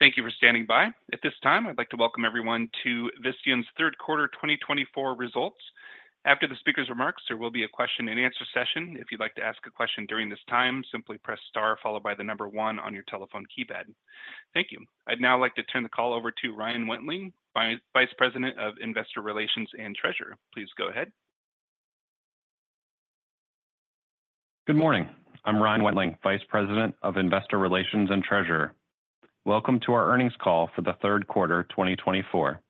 Thank you for standing by. At this time, I'd like to welcome everyone to Visteon's third quarter 2024 results. After the speaker's remarks, there will be a question and answer session. If you'd like to ask a question during this time, simply press star followed by the number one on your telephone keypad. Thank you. I'd now like to turn the call over to Ryan Wentling, Vice President of Investor Relations and Treasurer. Please go ahead. Good morning. I'm Ryan Wentling, Vice President of Investor Relations and Treasurer. Welcome to our earnings call for the third quarter 2024.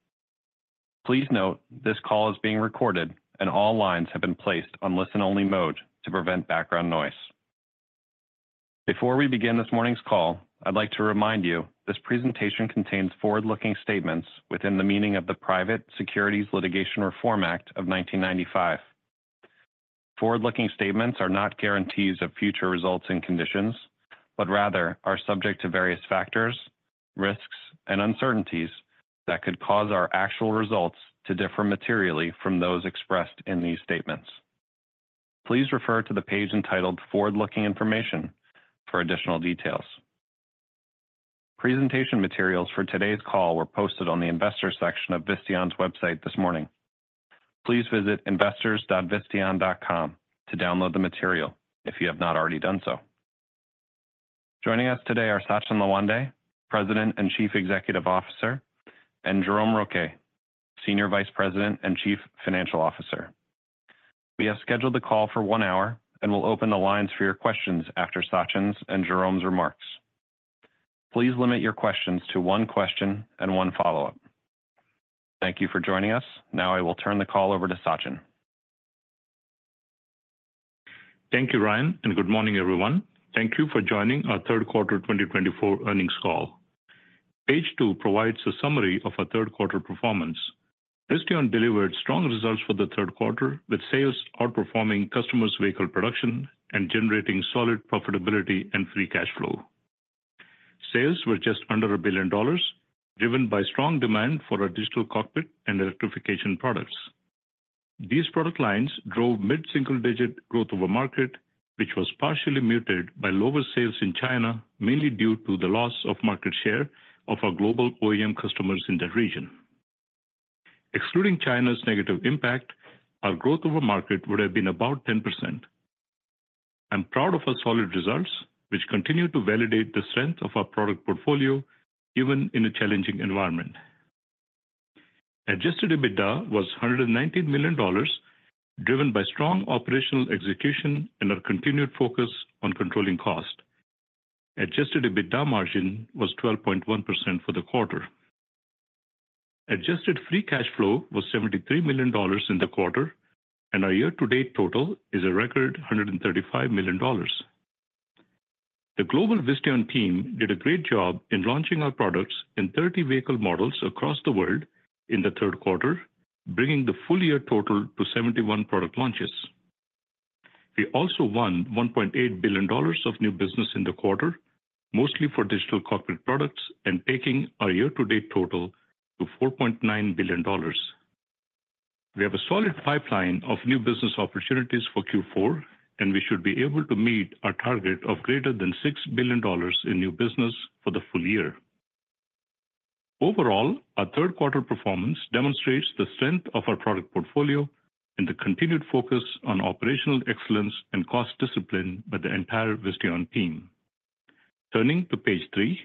Please note, this call is being recorded, and all lines have been placed on listen-only mode to prevent background noise. Before we begin this morning's call, I'd like to remind you, this presentation contains forward-looking statements within the meaning of the Private Securities Litigation Reform Act of 1995. Forward-looking statements are not guarantees of future results and conditions, but rather are subject to various factors, risks, and uncertainties that could cause our actual results to differ materially from those expressed in these statements. Please refer to the page entitled Forward-Looking Information for additional details. Presentation materials for today's call were posted on the investor section of Visteon's website this morning. Please visit investors.visteon.com to download the material if you have not already done so. Joining us today are Sachin Lawande, President and Chief Executive Officer, and Jerome Rouquet, Senior Vice President and Chief Financial Officer. We have scheduled the call for one hour and will open the lines for your questions after Sachin's and Jerome's remarks. Please limit your questions to one question and one follow-up. Thank you for joining us. Now I will turn the call over to Sachin. Thank you, Ryan, and good morning, everyone. Thank you for joining our third quarter 2024 earnings call. Page two provides a summary of our third quarter performance. Visteon delivered strong results for the third quarter, with sales outperforming customers' vehicle production and generating solid profitability and free cash flow. Sales were just under $1 billion, driven by strong demand for our digital cockpit and electrification products. These product lines drove mid-single-digit growth over market, which was partially muted by lower sales in China, mainly due to the loss of market share of our global OEM customers in that region. Excluding China's negative impact, our growth over market would have been about 10%. I'm proud of our solid results, which continue to validate the strength of our product portfolio, even in a challenging environment. Adjusted EBITDA was $119 million, driven by strong operational execution and our continued focus on controlling cost. Adjusted EBITDA margin was 12.1% for the quarter. Adjusted Free Cash Flow was $73 million in the quarter, and our year-to-date total is a record $135 million. The global Visteon team did a great job in launching our products in 30 vehicle models across the world in the third quarter, bringing the full year total to 71 product launches. We also won $1.8 billion of new business in the quarter, mostly for digital cockpit products and taking our year-to-date total to $4.9 billion. We have a solid pipeline of new business opportunities for Q4, and we should be able to meet our target of greater than $6 billion in new business for the full year. Overall, our third quarter performance demonstrates the strength of our product portfolio and the continued focus on operational excellence and cost discipline by the entire Visteon team. Turning to page three.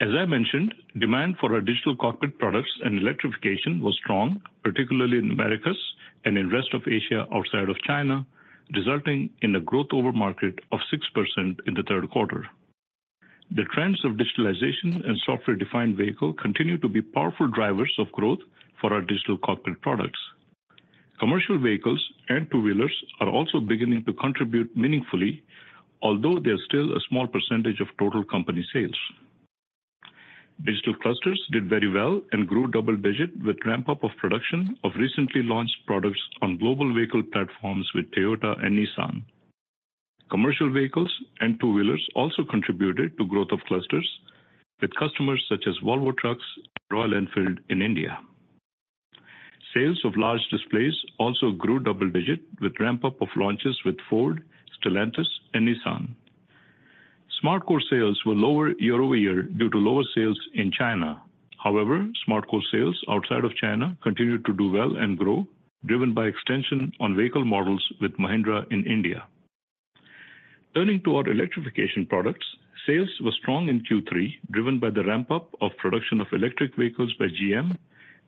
As I mentioned, demand for our digital cockpit products and electrification was strong, particularly in the Americas and in Rest of Asia, outside of China, resulting in a growth over market of 6% in the third quarter. The trends of digitalization and software-defined vehicle continue to be powerful drivers of growth for our digital cockpit products. Commercial vehicles and two-wheelers are also beginning to contribute meaningfully, although they are still a small percentage of total company sales. Digital clusters did very well and grew double digit with ramp-up of production of recently launched products on global vehicle platforms with Toyota and Nissan. Commercial vehicles and two-wheelers also contributed to growth of clusters with customers such as Volvo Trucks, Royal Enfield in India. Sales of large displays also grew double-digit with ramp-up of launches with Ford, Stellantis, and Nissan. SmartCore sales were lower year-over-year due to lower sales in China. However, SmartCore sales outside of China continued to do well and grow, driven by extension on vehicle models with Mahindra in India. Turning to our electrification products, sales were strong in Q3, driven by the ramp-up of production of electric vehicles by GM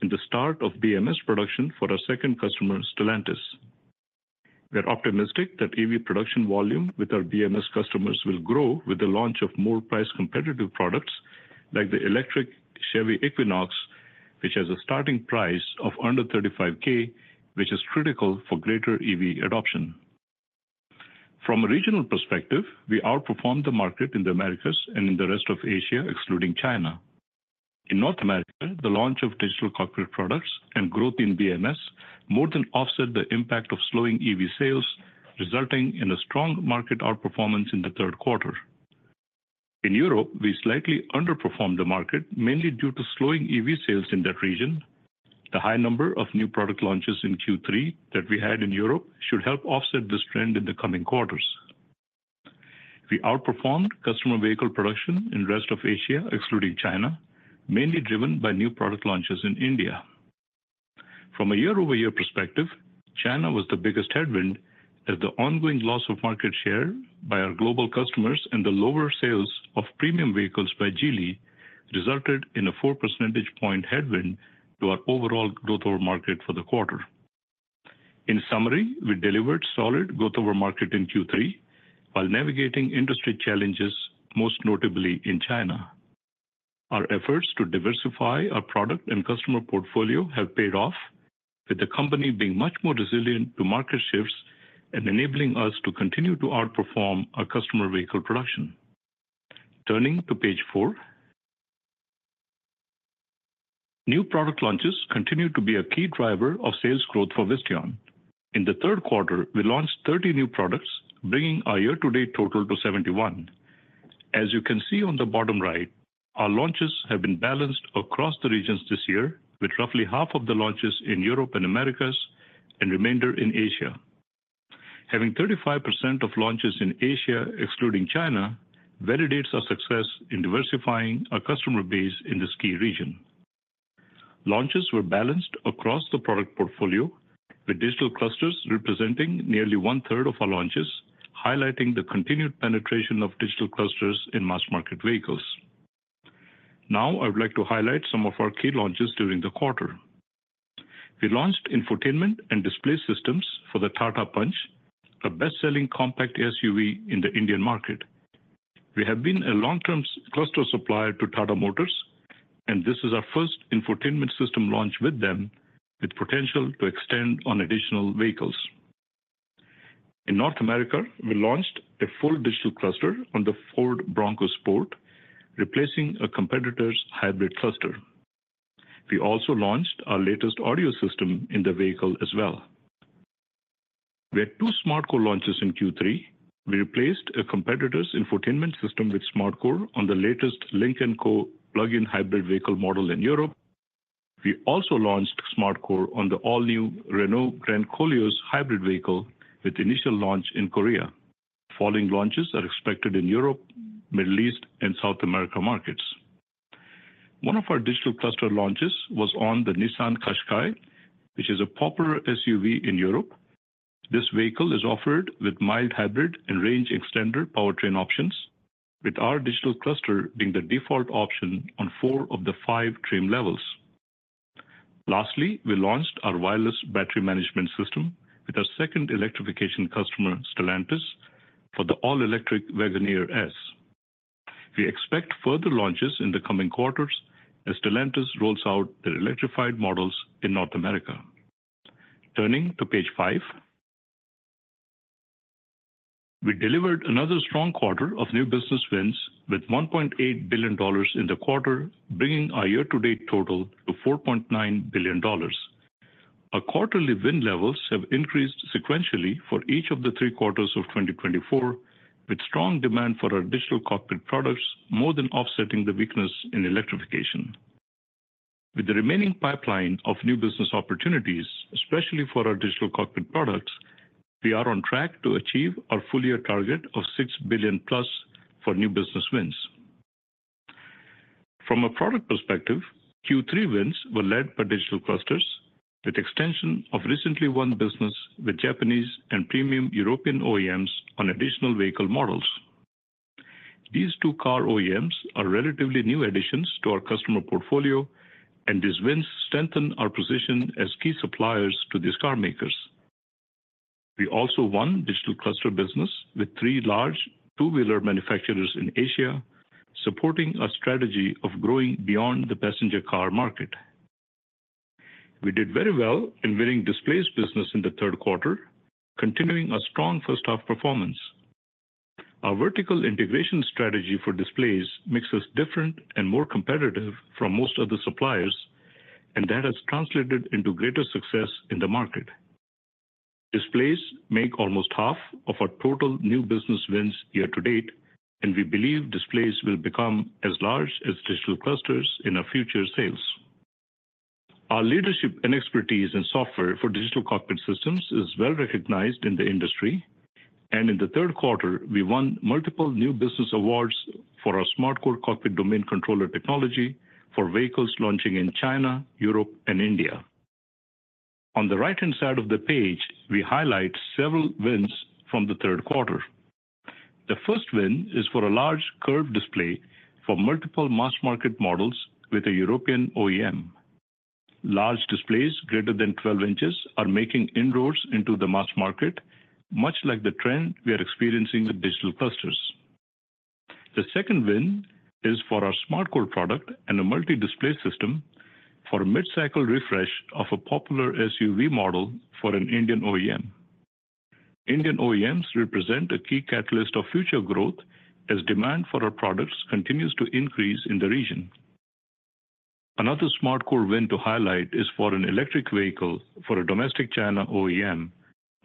and the start of BMS production for our second customer, Stellantis. We are optimistic that EV production volume with our BMS customers will grow with the launch of more price-competitive products like the electric Chevy Equinox, which has a starting price of under $35,000, which is critical for greater EV adoption. From a regional perspective, we outperformed the market in the Americas and in the Rest of Asia, excluding China. In North America, the launch of digital cockpit products and growth in BMS more than offset the impact of slowing EV sales, resulting in a strong market outperformance in the third quarter. In Europe, we slightly underperformed the market, mainly due to slowing EV sales in that region... The high number of new product launches in Q3 that we had in Europe should help offset this trend in the coming quarters. We outperformed customer vehicle production in Rest of Asia, excluding China, mainly driven by new product launches in India. From a year-over-year perspective, China was the biggest headwind, as the ongoing loss of market share by our global customers and the lower sales of premium vehicles by Geely resulted in a four percentage point headwind to our overall growth over market for the quarter. In summary, we delivered solid growth over market in Q3, while navigating industry challenges, most notably in China. Our efforts to diversify our product and customer portfolio have paid off, with the company being much more resilient to market shifts and enabling us to continue to outperform our customer vehicle production. Turning to page four. New product launches continue to be a key driver of sales growth for Visteon. In the third quarter, we launched 30 new products, bringing our year-to-date total to 71. As you can see on the bottom right, our launches have been balanced across the regions this year, with roughly half of the launches in Europe and Americas, and remainder in Asia. Having 35% of launches in Asia, excluding China, validates our success in diversifying our customer base in this key region. Launches were balanced across the product portfolio, with digital clusters representing nearly one-third of our launches, highlighting the continued penetration of digital clusters in mass market vehicles. Now, I would like to highlight some of our key launches during the quarter. We launched infotainment and display systems for the Tata Punch, a best-selling compact SUV in the Indian market. We have been a long-term cluster supplier to Tata Motors, and this is our first infotainment system launch with them, with potential to extend on additional vehicles. In North America, we launched a full digital cluster on the Ford Bronco Sport, replacing a competitor's hybrid cluster. We also launched our latest audio system in the vehicle as well. We had two SmartCore launches in Q3. We replaced a competitor's infotainment system with SmartCore on the latest Lynk & Co plug-in hybrid vehicle model in Europe. We also launched SmartCore on the all-new Renault Grand Koleos hybrid vehicle, with initial launch in Korea. Follow-on launches are expected in Europe, Middle East, and South America markets. One of our digital cluster launches was on the Nissan Qashqai, which is a popular SUV in Europe. This vehicle is offered with mild hybrid and range extender powertrain options, with our digital cluster being the default option on four of the five trim levels. Lastly, we launched our wireless battery management system with our second electrification customer, Stellantis, for the all-electric Wagoneer S. We expect further launches in the coming quarters as Stellantis rolls out their electrified models in North America. Turning to page five. We delivered another strong quarter of new business wins, with $1.8 billion in the quarter, bringing our year-to-date total to $4.9 billion. Our quarterly win levels have increased sequentially for each of the three quarters of 2024, with strong demand for our digital cockpit products more than offsetting the weakness in electrification. With the remaining pipeline of new business opportunities, especially for our digital cockpit products, we are on track to achieve our full year target of $6 billion plus for new business wins. From a product perspective, Q3 wins were led by digital clusters, with extension of recently won business with Japanese and premium European OEMs on additional vehicle models. These two car OEMs are relatively new additions to our customer portfolio, and these wins strengthen our position as key suppliers to these car makers. We also won digital cluster business with three large two-wheeler manufacturers in Asia, supporting a strategy of growing beyond the passenger car market. We did very well in winning displays business in the third quarter, continuing a strong first-half performance. Our vertical integration strategy for displays makes us different and more competitive from most other suppliers, and that has translated into greater success in the market. Displays make almost half of our total new business wins year to date, and we believe displays will become as large as digital clusters in our future sales. Our leadership and expertise in software for digital cockpit systems is well-recognized in the industry, and in the third quarter, we won multiple new business awards for our SmartCore cockpit domain controller technology for vehicles launching in China, Europe, and India. On the right-hand side of the page, we highlight several wins from the third quarter. The first win is for a large curved display for multiple mass market models with a European OEM. Large displays greater than twelve inches are making inroads into the mass market, much like the trend we are experiencing with digital clusters. The second win is for our SmartCore product and a multi-display system for a mid-cycle refresh of a popular SUV model for an Indian OEM. Indian OEMs represent a key catalyst of future growth as demand for our products continues to increase in the region. Another SmartCore win to highlight is for an electric vehicle for a domestic China OEM,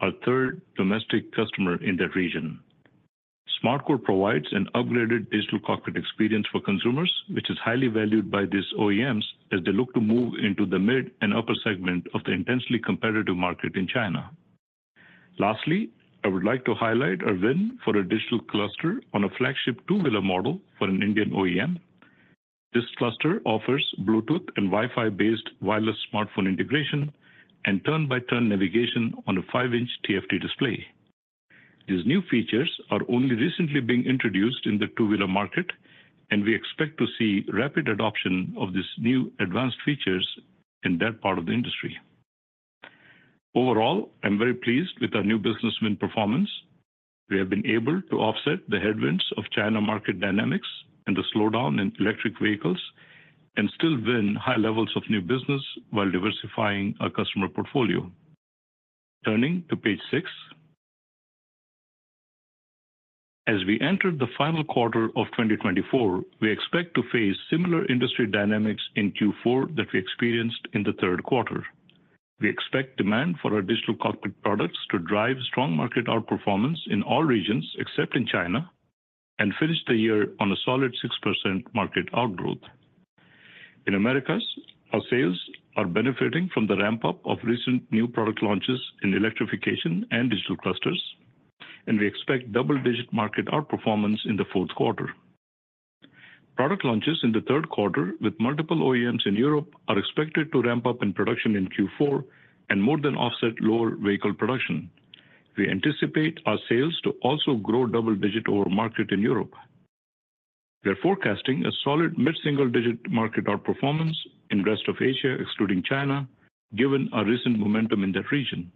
our third domestic customer in that region. SmartCore provides an upgraded digital cockpit experience for consumers, which is highly valued by these OEMs as they look to move into the mid and upper segment of the intensely competitive market in China. Lastly, I would like to highlight our win for a digital cluster on a flagship two-wheeler model for an Indian OEM. This cluster offers Bluetooth and Wi-Fi-based wireless smartphone integration and turn-by-turn navigation on a five-inch TFT display. These new features are only recently being introduced in the two-wheeler market, and we expect to see rapid adoption of these new advanced features in that part of the industry. Overall, I'm very pleased with our new business win performance. We have been able to offset the headwinds of China market dynamics and the slowdown in electric vehicles, and still win high levels of new business while diversifying our customer portfolio. Turning to page six. As we enter the final quarter of 2024, we expect to face similar industry dynamics in Q4 that we experienced in the third quarter. We expect demand for our digital cockpit products to drive strong market outperformance in all regions except in China, and finish the year on a solid 6% market outgrowth. In Americas, our sales are benefiting from the ramp-up of recent new product launches in electrification and digital clusters, and we expect double-digit market outperformance in the fourth quarter. Product launches in the third quarter with multiple OEMs in Europe are expected to ramp up in production in Q4 and more than offset lower vehicle production. We anticipate our sales to also grow double digit over market in Europe. We are forecasting a solid mid-single-digit market outperformance in Rest of Asia, excluding China, given our recent momentum in that region.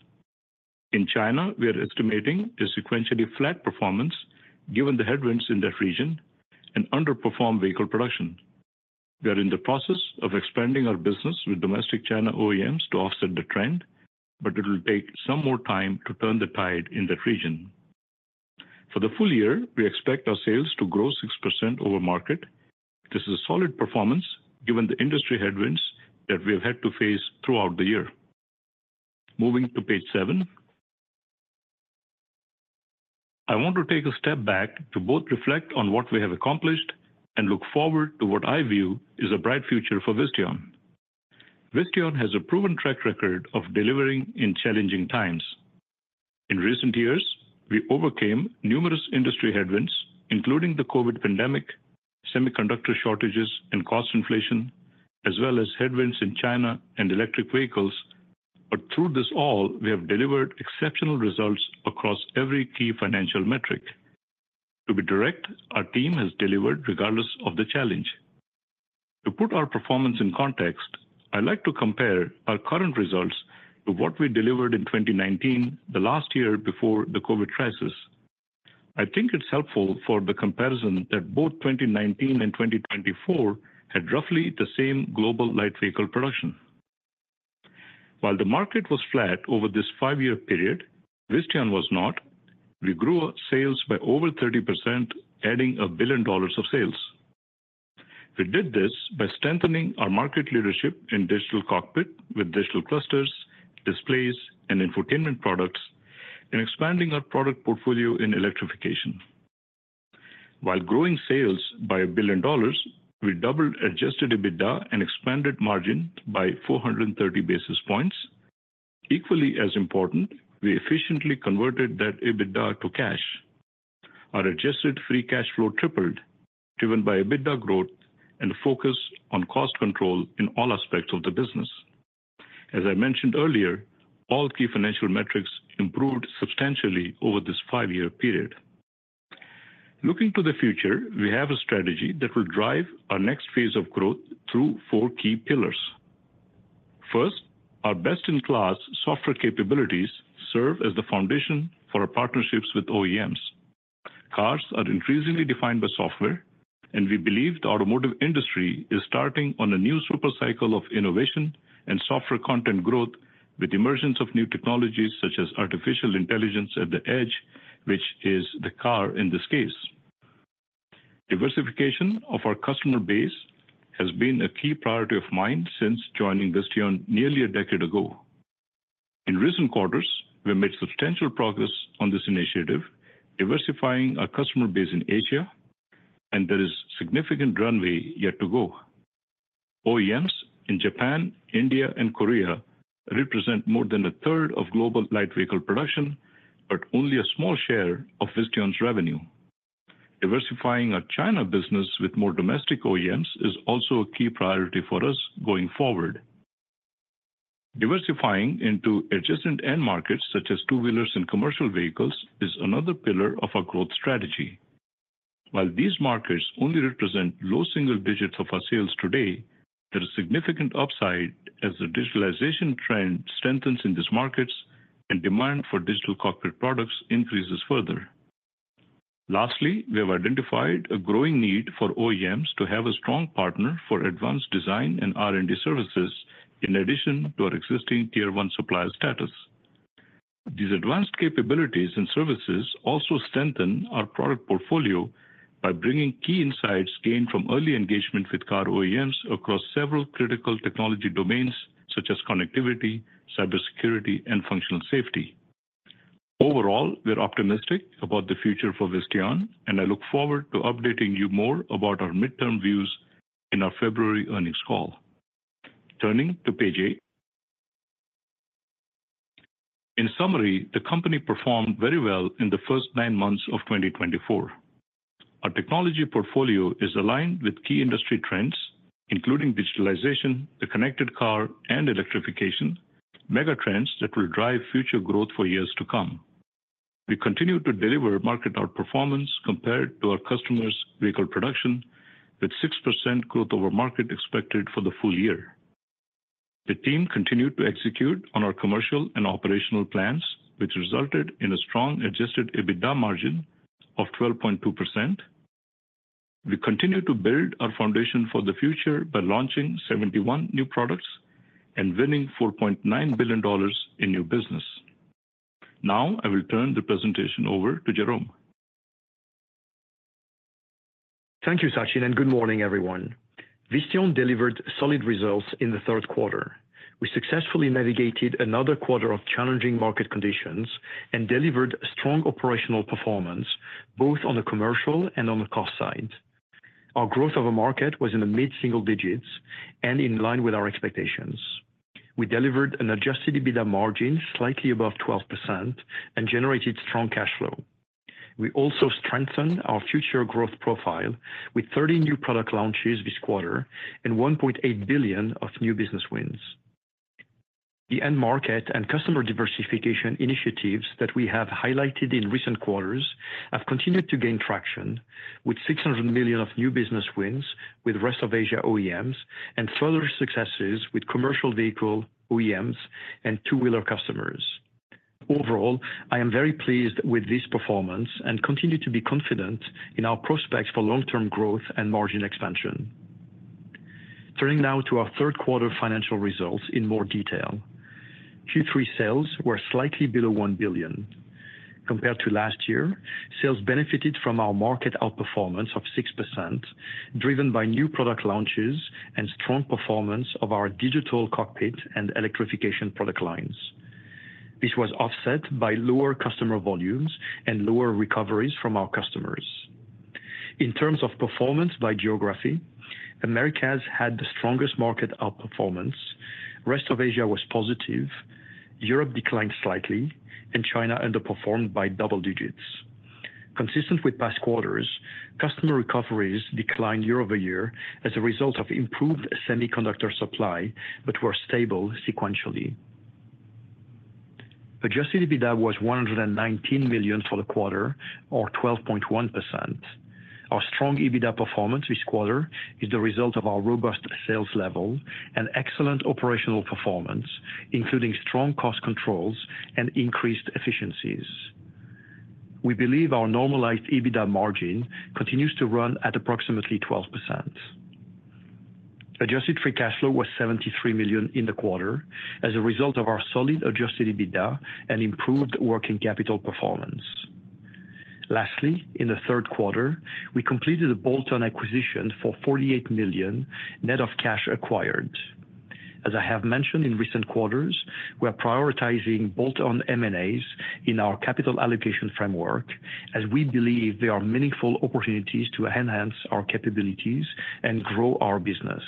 In China, we are estimating a sequentially flat performance, given the headwinds in that region and underperformed vehicle production. We are in the process of expanding our business with domestic China OEMs to offset the trend, but it'll take some more time to turn the tide in that region. For the full year, we expect our sales to grow 6% over market. This is a solid performance, given the industry headwinds that we have had to face throughout the year. Moving to page seven. I want to take a step back to both reflect on what we have accomplished and look forward to what I view is a bright future for Visteon. Visteon has a proven track record of delivering in challenging times. In recent years, we overcame numerous industry headwinds, including the COVID pandemic, semiconductor shortages, and cost inflation, as well as headwinds in China and electric vehicles. But through this all, we have delivered exceptional results across every key financial metric. To be direct, our team has delivered regardless of the challenge. To put our performance in context, I'd like to compare our current results to what we delivered in 2019, the last year before the COVID crisis. I think it's helpful for the comparison that both 2019 and 2024 had roughly the same global light vehicle production. While the market was flat over this five-year period, Visteon was not. We grew our sales by over 30%, adding $1 billion of sales. We did this by strengthening our market leadership in digital cockpit with digital clusters, displays, and infotainment products, and expanding our product portfolio in electrification. While growing sales by $1 billion, we doubled Adjusted EBITDA and expanded margin by 430 basis points. Equally as important, we efficiently converted that EBITDA to cash. Our Adjusted Free Cash Flow tripled, driven by EBITDA growth and focus on cost control in all aspects of the business. As I mentioned earlier, all key financial metrics improved substantially over this five-year period. Looking to the future, we have a strategy that will drive our next phase of growth through four key pillars. First, our best-in-class software capabilities serve as the foundation for our partnerships with OEMs. Cars are increasingly defined by software, and we believe the automotive industry is starting on a new super cycle of innovation and software content growth with the emergence of new technologies such as artificial intelligence at the edge, which is the car in this case. Diversification of our customer base has been a key priority of mine since joining Visteon nearly a decade ago. In recent quarters, we have made substantial progress on this initiative, diversifying our customer base in Asia, and there is significant runway yet to go. OEMs in Japan, India, and Korea represent more than a third of global light vehicle production, but only a small share of Visteon's revenue. Diversifying our China business with more domestic OEMs is also a key priority for us going forward. Diversifying into adjacent end markets such as two-wheelers and commercial vehicles is another pillar of our growth strategy. While these markets only represent low single digits of our sales today, there is significant upside as the digitalization trend strengthens in these markets and demand for digital cockpit products increases further. Lastly, we have identified a growing need for OEMs to have a strong partner for advanced design and R&D services in addition to our existing tier one supplier status. These advanced capabilities and services also strengthen our product portfolio by bringing key insights gained from early engagement with car OEMs across several critical technology domains... such as connectivity, cybersecurity, and functional safety. Overall, we're optimistic about the future for Visteon, and I look forward to updating you more about our midterm views in our February earnings call. Turning to page eight. In summary, the company performed very well in the first nine months of 2024. Our technology portfolio is aligned with key industry trends, including digitalization, the connected car, and electrification, mega trends that will drive future growth for years to come. We continue to deliver market outperformance compared to our customers' vehicle production, with 6% growth over market expected for the full year. The team continued to execute on our commercial and operational plans, which resulted in a strong Adjusted EBITDA margin of 12.2%. We continue to build our foundation for the future by launching 71 new products and winning $4.9 billion in new business. Now, I will turn the presentation over to Jerome. Thank you, Sachin, and good morning, everyone. Visteon delivered solid results in the third quarter. We successfully navigated another quarter of challenging market conditions and delivered strong operational performance, both on the commercial and on the cost side. Our growth of the market was in the mid-single digits and in line with our expectations. We delivered an Adjusted EBITDA margin slightly above 12% and generated strong cash flow. We also strengthened our future growth profile with 30 new product launches this quarter and $1.8 billion of new business wins. The end market and customer diversification initiatives that we have highlighted in recent quarters have continued to gain traction, with $600 million of new business wins with Rest of Asia OEMs and further successes with commercial vehicle OEMs and two-wheeler customers. Overall, I am very pleased with this performance and continue to be confident in our prospects for long-term growth and margin expansion. Turning now to our third quarter financial results in more detail. Q3 sales were slightly below $1 billion. Compared to last year, sales benefited from our market outperformance of 6%, driven by new product launches and strong performance of our digital cockpit and electrification product lines. This was offset by lower customer volumes and lower recoveries from our customers. In terms of performance by geography, Americas had the strongest market outperformance, Rest of Asia was positive, Europe declined slightly, and China underperformed by double digits. Consistent with past quarters, customer recoveries declined year over year as a result of improved semiconductor supply, but were stable sequentially. Adjusted EBITDA was $119 million for the quarter, or 12.1%. Our strong EBITDA performance this quarter is the result of our robust sales level and excellent operational performance, including strong cost controls and increased efficiencies. We believe our normalized EBITDA margin continues to run at approximately 12%. Adjusted free cash flow was $73 million in the quarter as a result of our solid Adjusted EBITDA and improved working capital performance. Lastly, in the third quarter, we completed a bolt-on acquisition for $48 million, net of cash acquired. As I have mentioned in recent quarters, we are prioritizing bolt-on M&As in our capital allocation framework, as we believe there are meaningful opportunities to enhance our capabilities and grow our business.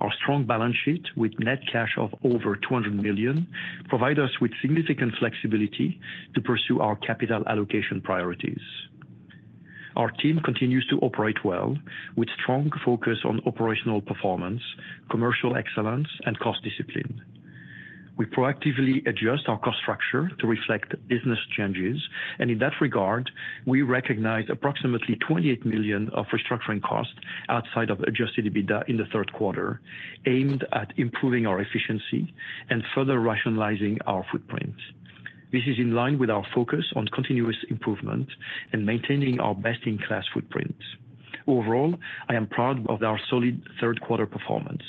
Our strong balance sheet, with net cash of over $200 million, provide us with significant flexibility to pursue our capital allocation priorities. Our team continues to operate well with strong focus on operational performance, commercial excellence, and cost discipline. We proactively adjust our cost structure to reflect business changes, and in that regard, we recognize approximately $28 million of restructuring costs outside of Adjusted EBITDA in the third quarter, aimed at improving our efficiency and further rationalizing our footprint. This is in line with our focus on continuous improvement and maintaining our best-in-class footprint. Overall, I am proud of our solid third quarter performance.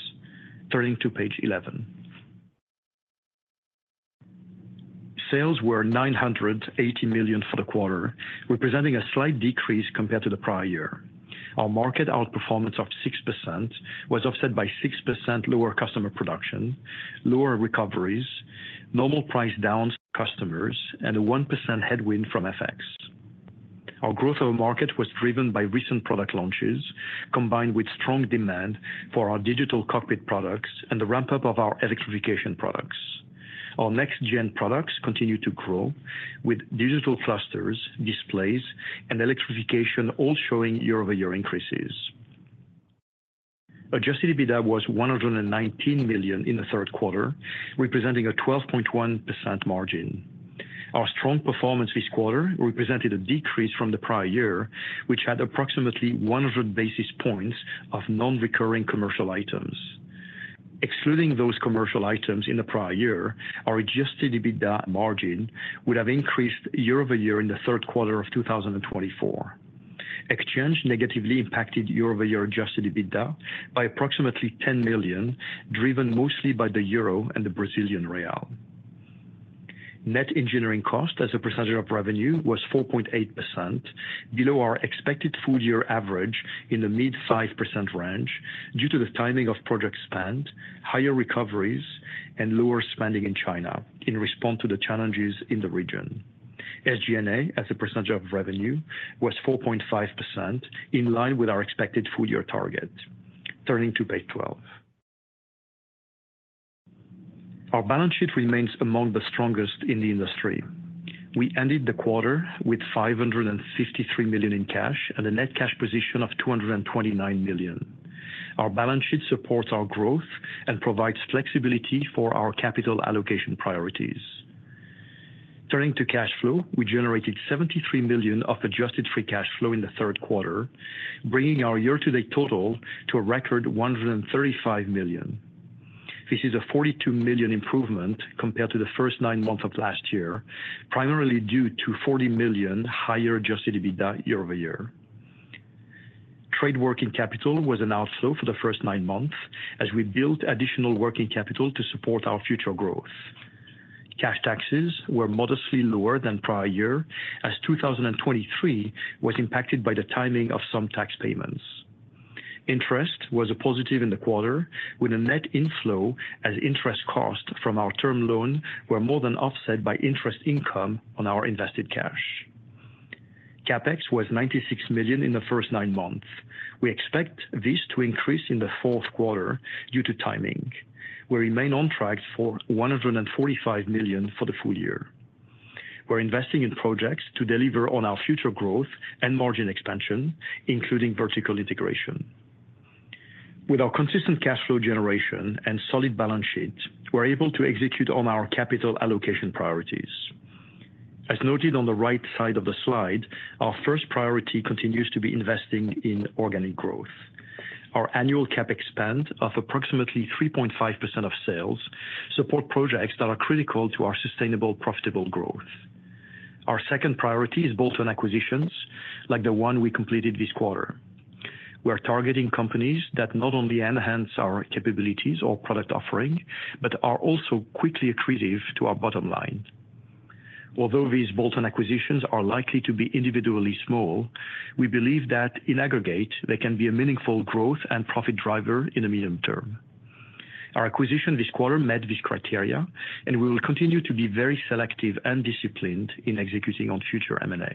Turning to page 11. Sales were $980 million for the quarter, representing a slight decrease compared to the prior year. Our market outperformance of 6% was offset by 6% lower customer production, lower recoveries, normal price downs customers, and a 1% headwind from FX. Our growth of the market was driven by recent product launches, combined with strong demand for our digital cockpit products and the ramp-up of our electrification products. Our next-gen products continue to grow, with digital clusters, displays, and electrification all showing year-over-year increases. Adjusted EBITDA was $119 million in the third quarter, representing a 12.1% margin. Our strong performance this quarter represented a decrease from the prior year, which had approximately 100 basis points of non-recurring commercial items. Excluding those commercial items in the prior year, our Adjusted EBITDA margin would have increased year-over-year in the third quarter of 2024. Exchange negatively impacted year-over-year Adjusted EBITDA by approximately $10 million, driven mostly by the Euro and the Brazilian Real. Net engineering cost as a percentage of revenue was 4.8%, below our expected full year average in the mid-5% range, due to the timing of project spend, higher recoveries, and lower spending in China in response to the challenges in the region. SG&A, as a percentage of revenue, was 4.5%, in line with our expected full year target. Turning to page 12. Our balance sheet remains among the strongest in the industry. We ended the quarter with $553 million in cash and a net cash position of $229 million. Our balance sheet supports our growth and provides flexibility for our capital allocation priorities. Turning to cash flow, we generated $73 million of Adjusted Free Cash Flow in the third quarter, bringing our year-to-date total to a record $135 million. This is a $42 million improvement compared to the first nine months of last year, primarily due to $40 million higher Adjusted EBITDA year-over-year. Trade working capital was an outflow for the first nine months, as we built additional working capital to support our future growth. Cash taxes were modestly lower than prior year, as 2023 was impacted by the timing of some tax payments. Interest was a positive in the quarter, with a net inflow as interest costs from our term loan were more than offset by interest income on our invested cash. CapEx was $96 million in the first nine months. We expect this to increase in the fourth quarter due to timing. We remain on track for $145 million for the full year. We're investing in projects to deliver on our future growth and margin expansion, including vertical integration. With our consistent cash flow generation and solid balance sheet, we're able to execute on our capital allocation priorities. As noted on the right side of the slide, our first priority continues to be investing in organic growth. Our annual CapEx spend of approximately 3.5% of sales support projects that are critical to our sustainable, profitable growth. Our second priority is bolt-on acquisitions, like the one we completed this quarter. We are targeting companies that not only enhance our capabilities or product offering, but are also quickly accretive to our bottom line. Although these bolt-on acquisitions are likely to be individually small, we believe that in aggregate, they can be a meaningful growth and profit driver in the medium term. Our acquisition this quarter met these criteria, and we will continue to be very selective and disciplined in executing on future M&A.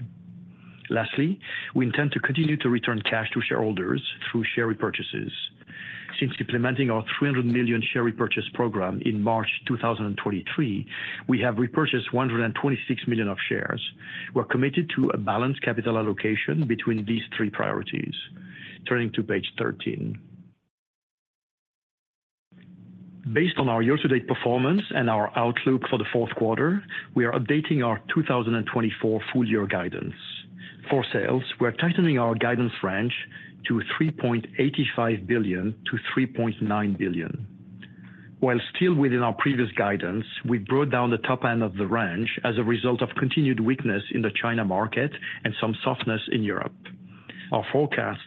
Lastly, we intend to continue to return cash to shareholders through share repurchases. Since implementing our $300 million share repurchase program in March 2023, we have repurchased 126 million shares. We're committed to a balanced capital allocation between these three priorities. Turning to page 13. Based on our year-to-date performance and our outlook for the fourth quarter, we are updating our 2024 full year guidance. For sales, we're tightening our guidance range to $3.85 billion-$3.9 billion. While still within our previous guidance, we brought down the top end of the range as a result of continued weakness in the China market and some softness in Europe. Our forecasts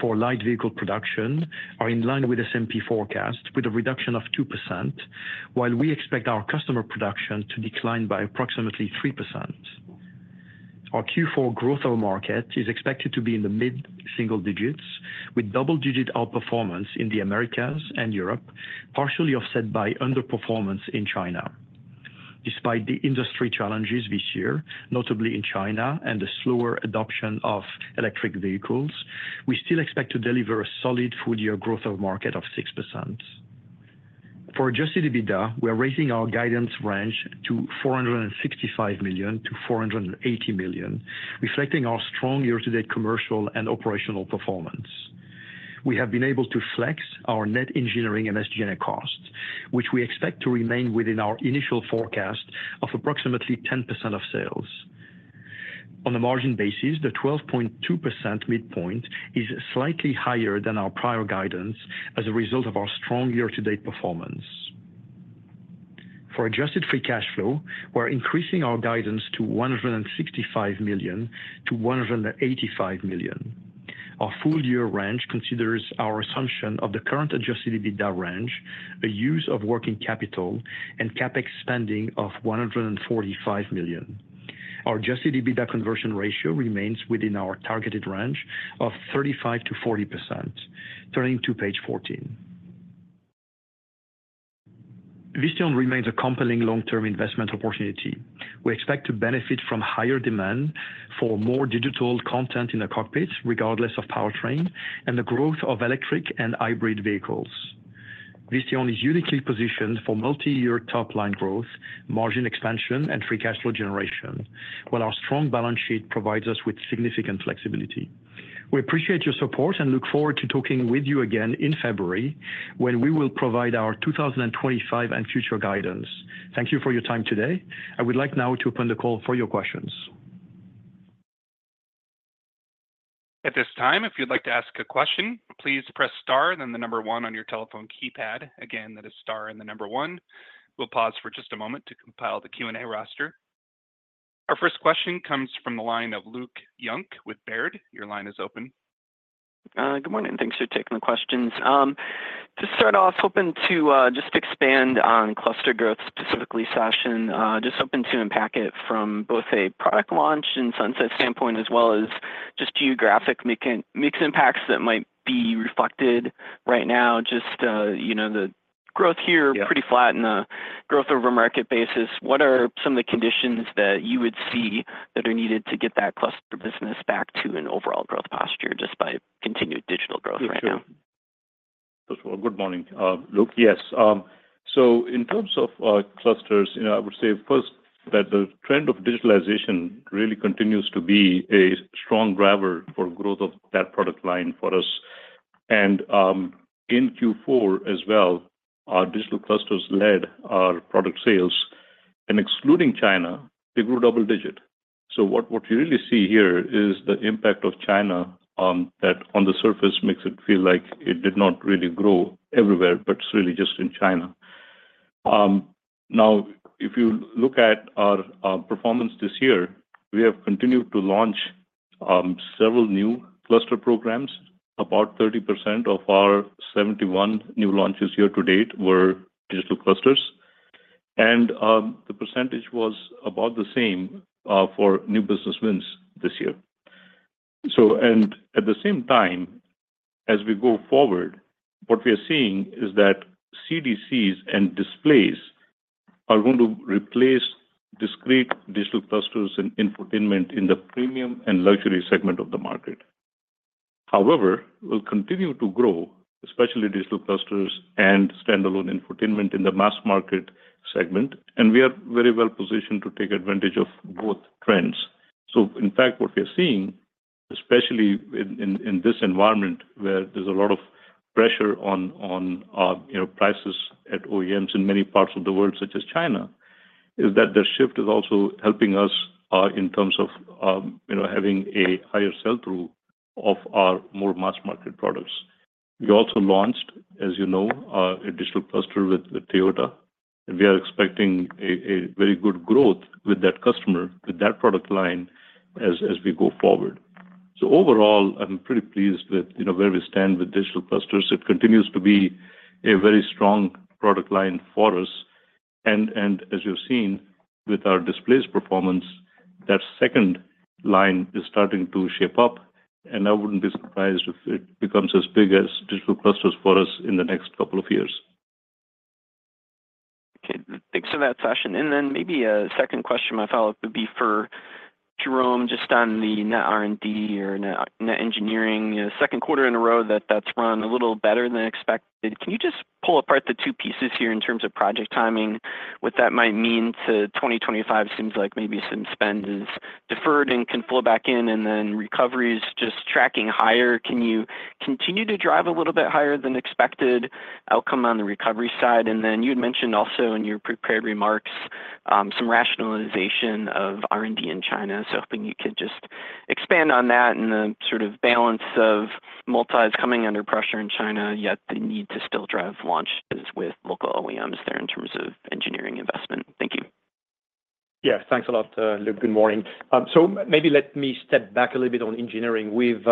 for light vehicle production are in line with S&P forecast, with a reduction of 2%, while we expect our customer production to decline by approximately 3%. Our Q4 growth of market is expected to be in the mid-single digits, with double-digit outperformance in the Americas and Europe, partially offset by underperformance in China. Despite the industry challenges this year, notably in China and the slower adoption of electric vehicles, we still expect to deliver a solid full-year growth of market of 6%. For Adjusted EBITDA, we are raising our guidance range to $465 million-$480 million, reflecting our strong year-to-date commercial and operational performance. We have been able to flex our net engineering and SG&A costs, which we expect to remain within our initial forecast of approximately 10% of sales. On a margin basis, the 12.2% midpoint is slightly higher than our prior guidance as a result of our strong year-to-date performance. For Adjusted Free Cash Flow, we're increasing our guidance to $165 million-$185 million. Our full year range considers our assumption of the current Adjusted EBITDA range, a use of working capital, and CapEx spending of $145 million. Our Adjusted EBITDA conversion ratio remains within our targeted range of 35%-40%. Turning to page 14. Visteon remains a compelling long-term investment opportunity. We expect to benefit from higher demand for more digital content in the cockpit, regardless of powertrain, and the growth of electric and hybrid vehicles. Visteon is uniquely positioned for multi-year top-line growth, margin expansion, and free cash flow generation, while our strong balance sheet provides us with significant flexibility. We appreciate your support and look forward to talking with you again in February, when we will provide our 2025 and future guidance. Thank you for your time today. I would like now to open the call for your questions. At this time, if you'd like to ask a question, please press star and then the number one on your telephone keypad. Again, that is star and the number one. We'll pause for just a moment to compile the Q&A roster. Our first question comes from the line of Luke Junk with Baird. Your line is open. Good morning, thanks for taking the questions. To start off, hoping to just expand on cluster growth, specifically, Sachin, just hoping to unpack it from both a product launch and sunset standpoint, as well as just geographic mix impacts that might be reflected right now, just, you know, the growth here- Yeah... pretty flat in the growth over market basis. What are some of the conditions that you would see that are needed to get that cluster business back to an overall growth posture, just by continued digital growth right now? Sure. Good morning, Luke. Yes, so in terms of clusters, you know, I would say first that the trend of digitalization really continues to be a strong driver for growth of that product line for us. And in Q4 as well, our digital clusters led our product sales, and excluding China, they grew double digit. So what you really see here is the impact of China that on the surface makes it feel like it did not really grow everywhere, but it's really just in China. Now, if you look at our performance this year, we have continued to launch several new cluster programs. About 30% of our 71 new launches year to date were digital clusters. And the percentage was about the same for new business wins this year. At the same time, as we go forward, what we are seeing is that CDCs and displays are going to replace discrete digital clusters and infotainment in the premium and luxury segment of the market. However, we'll continue to grow, especially digital clusters and standalone infotainment in the mass market segment, and we are very well positioned to take advantage of both trends. In fact, what we are seeing, especially in this environment, where there's a lot of pressure on you know, prices at OEMs in many parts of the world, such as China, is that the shift is also helping us in terms of you know, having a higher sell-through of our more mass-market products. We also launched, as you know, a digital cluster with Toyota, and we are expecting a very good growth with that customer, with that product line as we go forward. So overall, I'm pretty pleased with, you know, where we stand with digital clusters. It continues to be a very strong product line for us, and as you've seen with our displays performance, that second line is starting to shape up, and I wouldn't be surprised if it becomes as big as digital clusters for us in the next couple of years. Okay, thanks for that, Sachin. And then maybe a second question, my follow-up would be for Jerome, just on the net R&D or net, net engineering. Second quarter in a row, that's run a little better than expected. Can you just pull apart the two pieces here in terms of project timing, what that might mean to twenty twenty-five? Seems like maybe some spend is deferred and can flow back in, and then recovery is just tracking higher. Can you continue to drive a little bit higher than expected outcome on the recovery side? And then you had mentioned also in your prepared remarks, some rationalization of R&D in China. So hoping you could just expand on that and the sort of balance of multis coming under pressure in China, yet the need to still drive launches with local OEMs there in terms of engineering investment. Thank you. Yeah, thanks a lot, Luke. Good morning. So maybe let me step back a little bit on engineering. We've,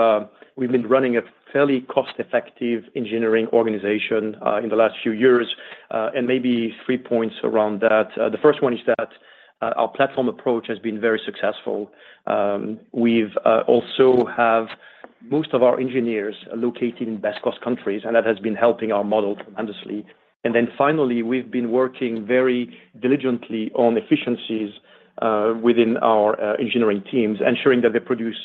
we've been running a fairly cost-effective engineering organization, in the last few years, and maybe three points around that. The first one is that, our platform approach has been very successful. We've, also have most of our engineers are located in best cost countries, and that has been helping our model tremendously. And then finally, we've been working very diligently on efficiencies, within our, engineering teams, ensuring that they produce,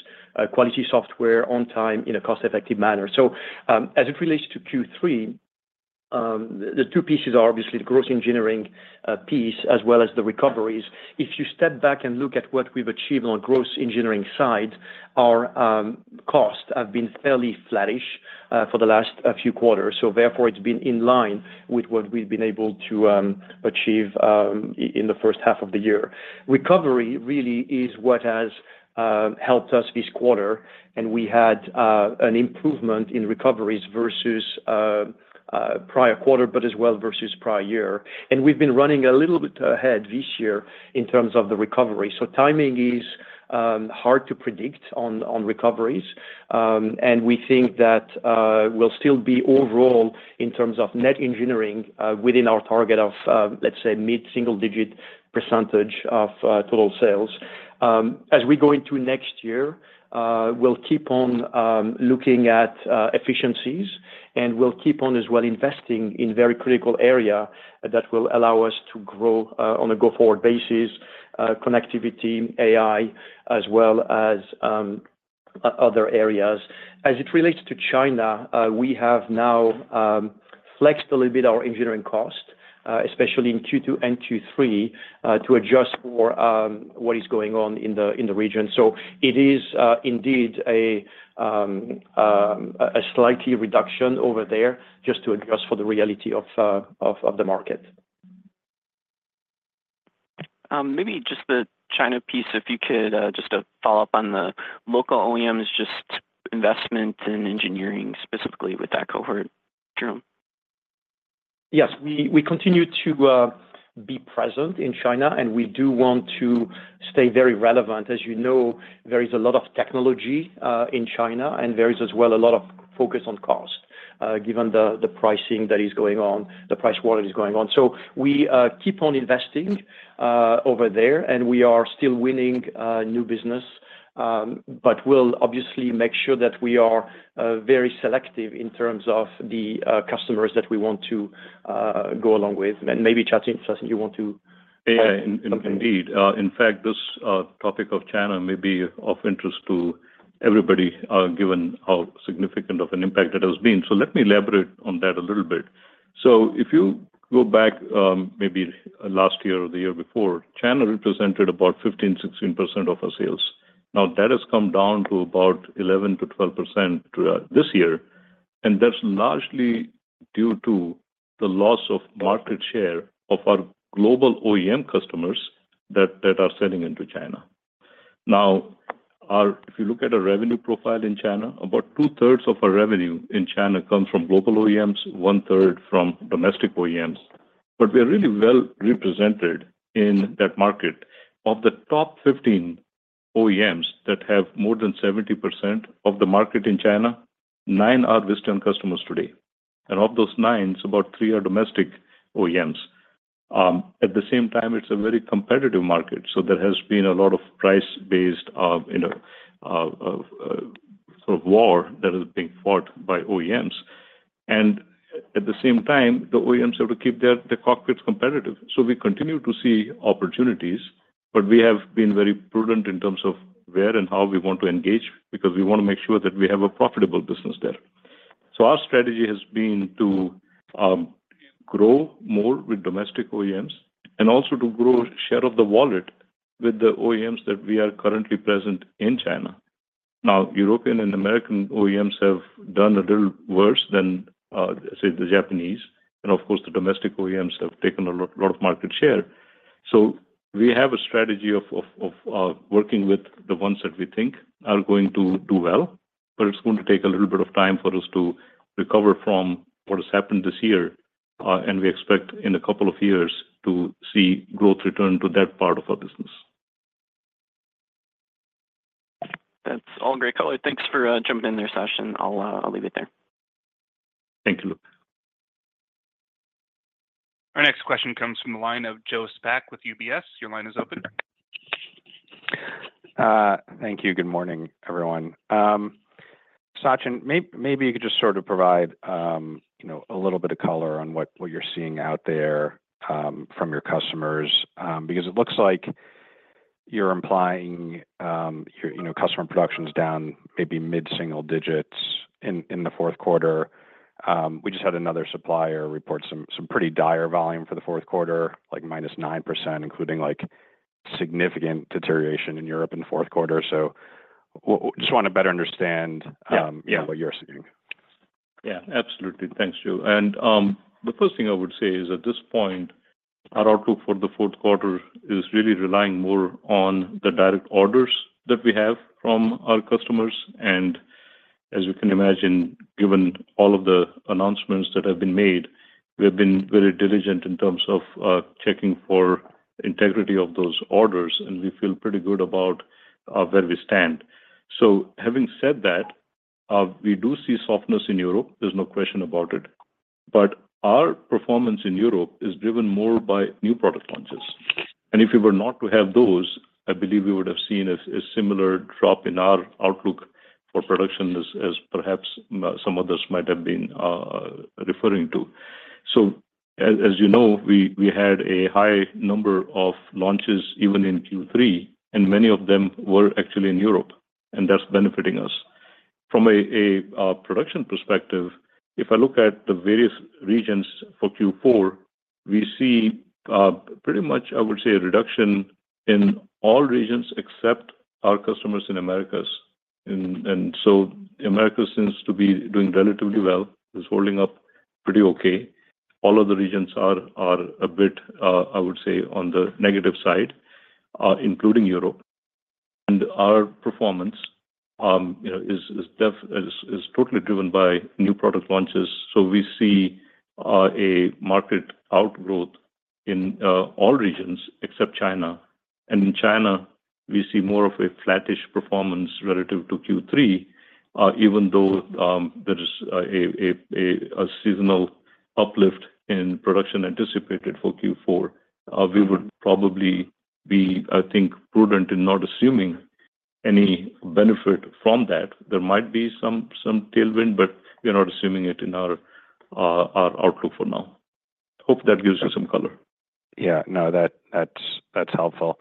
quality software on time in a cost-effective manner. So, as it relates to Q3, the two pieces are obviously the growth engineering, piece, as well as the recoveries. If you step back and look at what we've achieved on growth engineering side, our costs have been fairly flattish for the last few quarters. So therefore, it's been in line with what we've been able to achieve in the first half of the year. Recovery really is what has helped us this quarter, and we had an improvement in recoveries versus prior quarter, but as well versus prior year. And we've been running a little bit ahead this year in terms of the recovery. So timing is hard to predict on recoveries, and we think that we'll still be overall in terms of net engineering within our target of let's say mid-single-digit percentage of total sales. As we go into next year, we'll keep on looking at efficiencies, and we'll keep on as well, investing in very critical area that will allow us to grow, on a go-forward basis, connectivity, AI, as well as other areas. As it relates to China, we have now flexed a little bit our engineering cost, especially in Q2 and Q3, to adjust for what is going on in the region. It is indeed a slight reduction over there, just to adjust for the reality of the market. Maybe just the China piece, if you could, just to follow up on the local OEMs, just investment in engineering, specifically with that cohort, Jerome? ... Yes, we continue to be present in China, and we do want to stay very relevant. As you know, there is a lot of technology in China, and there is as well a lot of focus on cost given the pricing that is going on, the price war that is going on. So we keep on investing over there, and we are still winning new business. But we'll obviously make sure that we are very selective in terms of the customers that we want to go along with. And maybe Sachin, you want to- Yeah, indeed. In fact, this topic of China may be of interest to everybody, given how significant of an impact it has been. So let me elaborate on that a little bit. So if you go back, maybe last year or the year before, China represented about 15%-16% of our sales. Now, that has come down to about 11%-12% throughout this year, and that's largely due to the loss of market share of our global OEM customers that are selling into China. Now, our if you look at a revenue profile in China, about two-thirds of our revenue in China comes from global OEMs, one-third from domestic OEMs, but we are really well represented in that market. Of the top 15 OEMs that have more than 70% of the market in China, nine are Visteon customers today, and of those nine, about three are domestic OEMs. At the same time, it is a very competitive market, so there has been a lot of price-based, you know, sort of war that is being fought by OEMs. At the same time, the OEMs have to keep their, the cockpits competitive. We continue to see opportunities, but we have been very prudent in terms of where and how we want to engage, because we want to make sure that we have a profitable business there. Our strategy has been to grow more with domestic OEMs and also to grow share of the wallet with the OEMs that we are currently present in China. Now, European and American OEMs have done a little worse than, say, the Japanese, and of course, the domestic OEMs have taken a lot of market share. So we have a strategy of working with the ones that we think are going to do well, but it's going to take a little bit of time for us to recover from what has happened this year, and we expect in a couple of years to see growth return to that part of our business. That's all great color. Thanks for jumping in there, Sachin. I'll leave it there. Thank you, Luke. Our next question comes from the line of Joe Spak with UBS. Your line is open. Thank you. Good morning, everyone. Sachin, maybe you could just sort of provide, you know, a little bit of color on what you're seeing out there from your customers. Because it looks like you're implying, your, you know, customer production is down maybe mid-single digits in the fourth quarter. We just had another supplier report some pretty dire volume for the fourth quarter, like minus 9%, including, like, significant deterioration in Europe in the fourth quarter. Just wanna better understand. Yeah... what you're seeing. Yeah, absolutely. Thanks, Joe. And the first thing I would say is, at this point, our outlook for the fourth quarter is really relying more on the direct orders that we have from our customers. And as you can imagine, given all of the announcements that have been made, we have been very diligent in terms of checking for integrity of those orders, and we feel pretty good about where we stand. So having said that, we do see softness in Europe, there's no question about it, but our performance in Europe is driven more by new product launches. And if we were not to have those, I believe we would have seen a similar drop in our outlook for production as perhaps some others might have been referring to. So as you know, we had a high number of launches even in Q3, and many of them were actually in Europe, and that's benefiting us. From a production perspective, if I look at the various regions for Q4, we see pretty much, I would say, a reduction in all regions except our customers in Americas. And so Americas seems to be doing relatively well, is holding up pretty okay. All of the regions are a bit, I would say, on the negative side, including Europe. And our performance, you know, is totally driven by new product launches. So we see a market outgrowth in all regions except China. In China, we see more of a flattish performance relative to Q3, even though there is a seasonal uplift in production anticipated for Q4. We would probably be, I think, prudent in not assuming any benefit from that. There might be some tailwind, but we're not assuming it in our outlook for now. Hope that gives you some color. Yeah. No, that's helpful.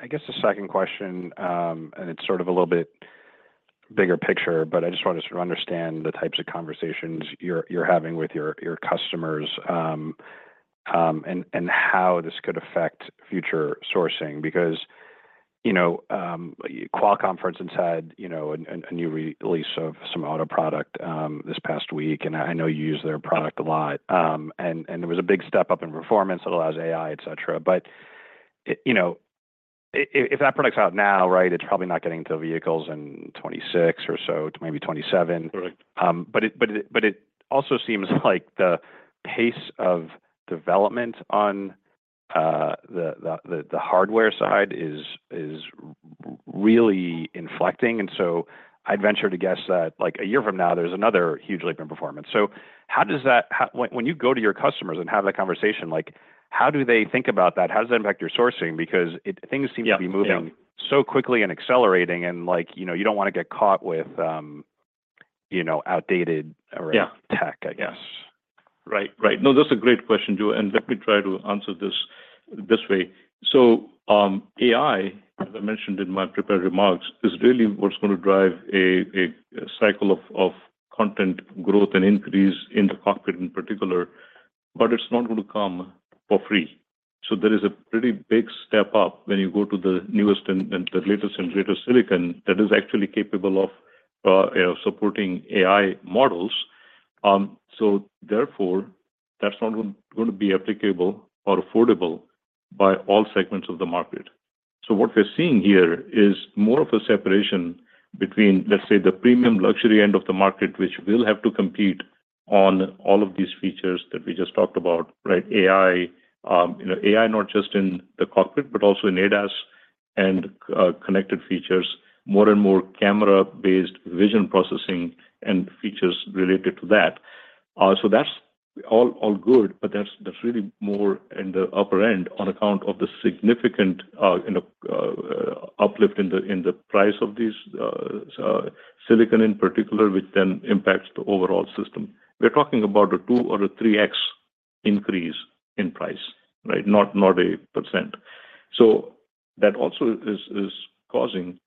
I guess the second question, and it's sort of a little bit bigger picture, but I just wanted to understand the types of conversations you're having with your customers, and how this could affect future sourcing. Because, you know, Qualcomm for instance, had, you know, a new release of some auto product, this past week, and I know you use their product a lot. And there was a big step up in performance that allows AI, et cetera. But, you know, if that product's out now, right, it's probably not getting to vehicles in 2026 or so, maybe 2027. Correct. But it also seems like the pace of development on the hardware side is really inflecting. And so I'd venture to guess that, like, a year from now, there's another huge leap in performance. So how does that. When you go to your customers and have that conversation, like, how do they think about that? How does that impact your sourcing? Because things. Yeah, yeah... seem to be moving so quickly and accelerating and, like, you know, you don't wanna get caught with, you know, outdated- Yeah Tech, I guess. Right. Right. No, that's a great question, Joe, and let me try to answer this way. So, AI, as I mentioned in my prepared remarks, is really what's gonna drive a cycle of content growth and increase in the cockpit in particular, but it's not going to come for free. So there is a pretty big step up when you go to the newest and the latest and greatest silicon that is actually capable of supporting AI models. So therefore, that's not gonna be applicable or affordable by all segments of the market. So what we're seeing here is more of a separation between, let's say, the premium luxury end of the market, which will have to compete on all of these features that we just talked about, right? AI, you know, AI, not just in the cockpit, but also in ADAS and, connected features, more and more camera-based vision processing and features related to that. So that's all, all good, but that's, that's really more in the upper end on account of the significant, you know, uplift in the, in the price of these, silicon in particular, which then impacts the overall system. We're talking about a 2x or a 3x increase in price, right? Not a percent. So that also is causing